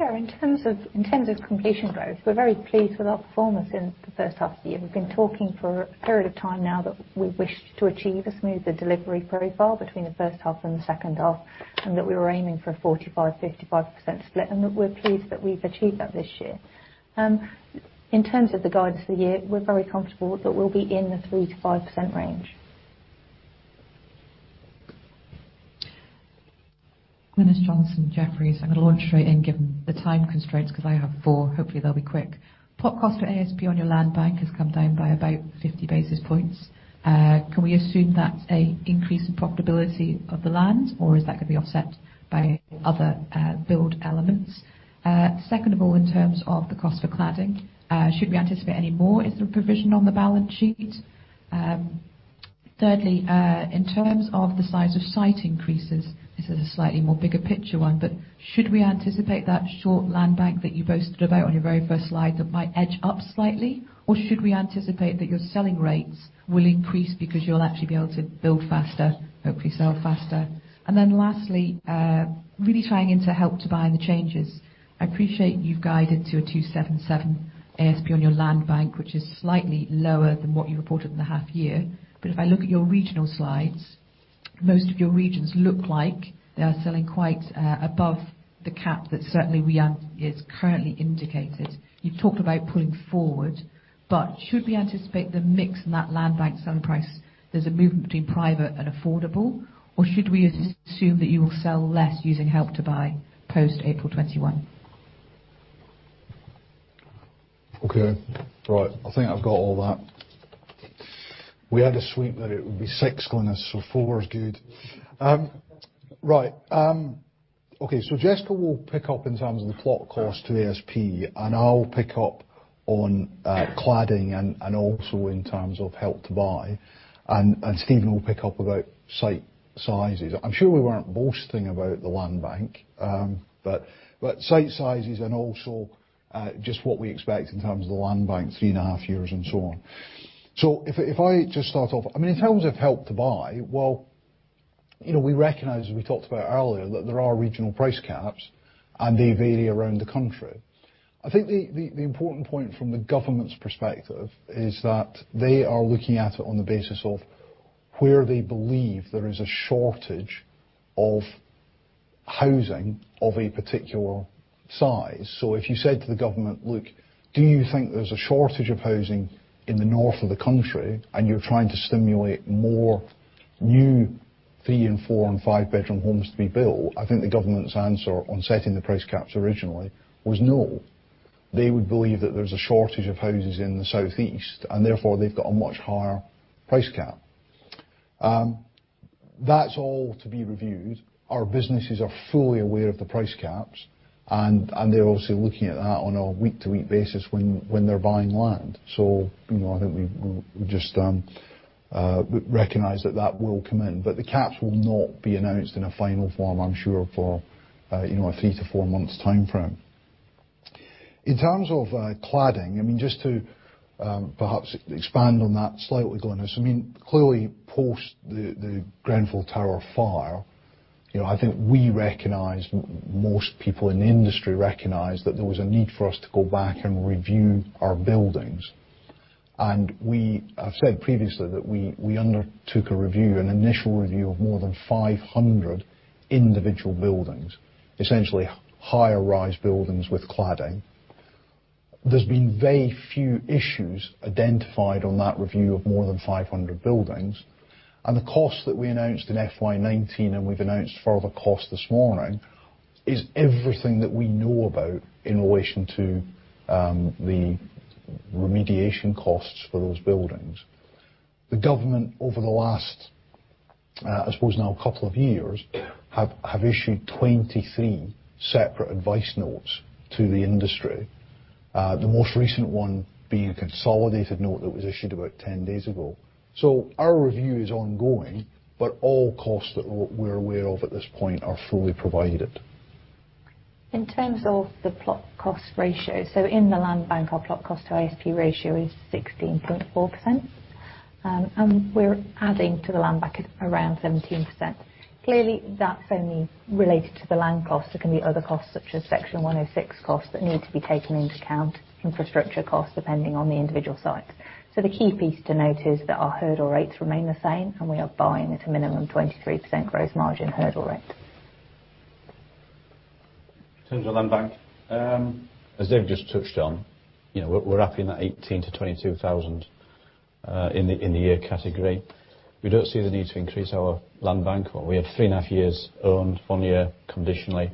Yeah. In terms of completion growth, we're very pleased with our performance in the first half of the year. We've been talking for a period of time now that we wish to achieve a smoother delivery profile between the first half and the second half, and that we were aiming for a 45%-55% split, and that we're pleased that we've achieved that this year. In terms of the guidance for the year, we're very comfortable that we'll be in the 3%-5% range. Glynis Johnson, Jefferies. I'm going to launch straight in given the time constraints, because I have four. Hopefully they'll be quick. Plot cost for ASP on your land bank has come down by about 50 basis points. Can we assume that's a increase in profitability of the land, or is that going to be offset by other build elements? 2nd of all, in terms of the cost for cladding, should we anticipate any more as the provision on the balance sheet? Thirdly, in terms of the size of site increases, this is a slightly more bigger picture one, but should we anticipate that short land bank that you boasted about on your very first slide might edge up slightly? Should we anticipate that your selling rates will increase because you'll actually be able to build faster, hopefully sell faster? Lastly, really tying into Help to Buy and the changes. I appreciate you've guided to a 277 ASP on your land bank, which is slightly lower than what you reported in the half year. If I look at your regional slides, most of your regions look like they are selling quite above the cap that certainly is currently indicated. You've talked about pulling forward, should we anticipate the mix in that land bank selling price, there's a movement between private and affordable, or should we assume that you will sell less using Help to Buy post-April 2021? Okay. Right. I think I've got all that. We had a sweep that it would be six, Glynis, so four is good. Right. Okay, Jessica will pick up in terms of the plot cost to ASP, and I'll pick up on cladding and also in terms of Help to Buy, and Steven will pick up about site sizes. I'm sure we weren't boasting about the land bank, but site sizes and also just what we expect in terms of the land bank, three and a half years and so on. If I just start off, in terms of Help to Buy, we recognize, as we talked about earlier, that there are regional price caps and they vary around the country. I think the important point from the government's perspective is that they are looking at it on the basis of where they believe there is a shortage of housing of a particular size. If you said to the government, "Look, do you think there's a shortage of housing in the north of the country?" You're trying to stimulate more new three and four and five-bedroom homes to be built, I think the government's answer on setting the price caps originally was no. They would believe that there's a shortage of houses in the southeast, and therefore they've got a much higher price cap. That's all to be reviewed. Our businesses are fully aware of the price caps, and they're obviously looking at that on a week-to-week basis when they're buying land. I think we just recognize that that will come in. The caps will not be announced in a final form, I'm sure, for a three to four months timeframe. In terms of cladding, just to perhaps expand on that slightly, Glynis, clearly post the Grenfell Tower fire, I think we recognize, most people in the industry recognize, that there was a need for us to go back and review our buildings. I've said previously that we undertook a review, an initial review of more than 500 individual buildings, essentially higher rise buildings with cladding. There's been very few issues identified on that review of more than 500 buildings, and the cost that we announced in FY 2019, and we've announced further cost this morning, is everything that we know about in relation to the remediation costs for those buildings. The government over the last, I suppose now couple of years, have issued 23 separate advice notes to the industry. The most recent one being a consolidated note that was issued about 10 days ago. Our review is ongoing, but all costs that we're aware of at this point are fully provided. In terms of the plot cost ratio, so in the land bank, our plot cost to ASP ratio is 16.4%, and we're adding to the land bank at around 17%. Clearly, that's only related to the land cost. There can be other costs such as Section 106 costs that need to be taken into account, infrastructure costs, depending on the individual site. The key piece to note is that our hurdle rates remain the same, and we are buying at a minimum 23% gross margin hurdle rate. In terms of land bank, as Dave just touched on, we're up in that 18,000-22,000 in the year category. We don't see the need to increase our land bank. We have three and a half years owned, one year conditionally.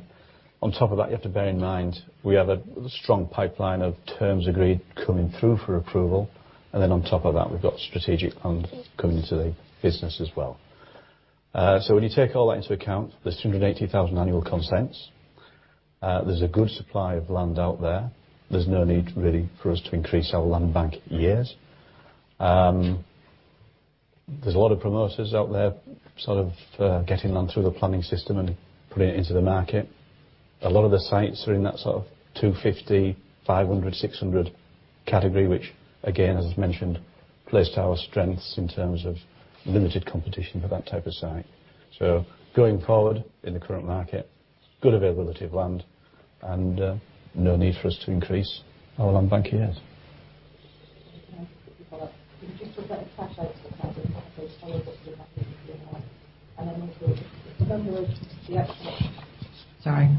On top of that, you have to bear in mind, we have a strong pipeline of terms agreed coming through for approval, on top of that, we've got strategic land coming into the business as well. When you take all that into account, there's 280,000 annual consents. There's a good supply of land out there. There's no need really for us to increase our land bank years. There's a lot of promoters out there sort of getting land through the planning system and putting it into the market. A lot of the sites are in that sort of 250, 500, 600 category, which again, as I've mentioned, plays to our strengths in terms of limited competition for that type of site. Going forward in the current market, good availability of land and no need for us to increase our land bank years. Can I just quickly follow up? Can you just reflect the cash outs for cladding. Sorry.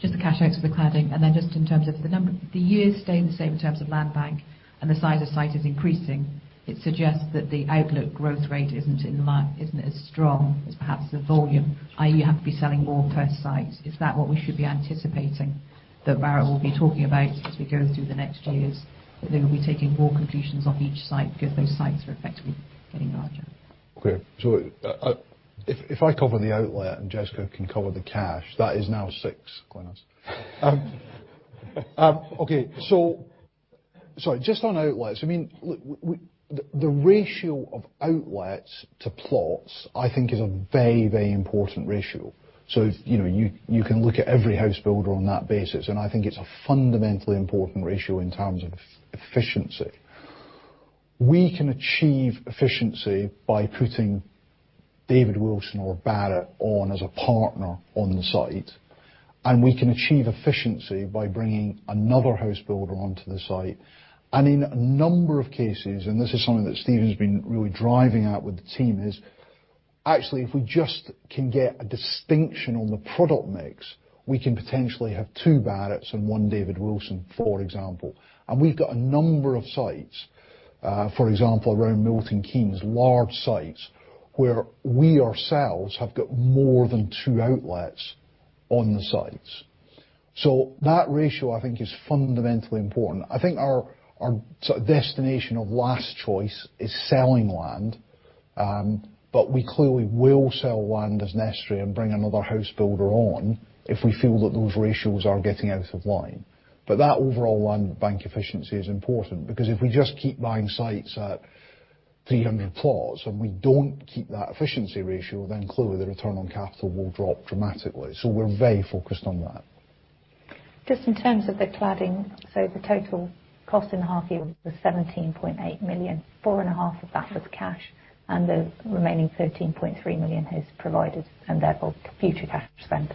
Just the cash outs for the cladding, just in terms of the number. The years staying the same in terms of land bank and the size of site is increasing, it suggests that the outlet growth rate isn't as strong as perhaps the volume, i.e., you have to be selling more per site. Is that what we should be anticipating that Barratt will be talking about as we go through the next few years? They will be taking more completions on each site because those sites are effectively getting larger. If I cover the outlet and Jessica can cover the cash, that is now six, Glynis. Sorry, just on outlets. The ratio of outlets to plots, I think is a very important ratio. You can look at every housebuilder on that basis, and I think it's a fundamentally important ratio in terms of efficiency. We can achieve efficiency by putting David Wilson or Barratt on as a partner on the site, and we can achieve efficiency by bringing another housebuilder onto the site. In a number of cases, and this is something that Steven's been really driving at with the team, is actually if we just can get a distinction on the product mix, we can potentially have two Barratts and one David Wilson, for example. We've got a number of sites, for example, around Milton Keynes, large sites where we ourselves have got more than two outlets on the sites. That ratio, I think is fundamentally important. I think our destination of last choice is selling land. We clearly will sell land as necessary and bring another housebuilder on if we feel that those ratios are getting out of line. That overall land bank efficiency is important because if we just keep buying sites at 300 plots and we don't keep that efficiency ratio, then clearly the return on capital will drop dramatically. We're very focused on that. Just in terms of the cladding, the total cost in the half year was 17.8 million. Four and a half of that was cash, the remaining 13.3 million is provided and therefore future cash spend.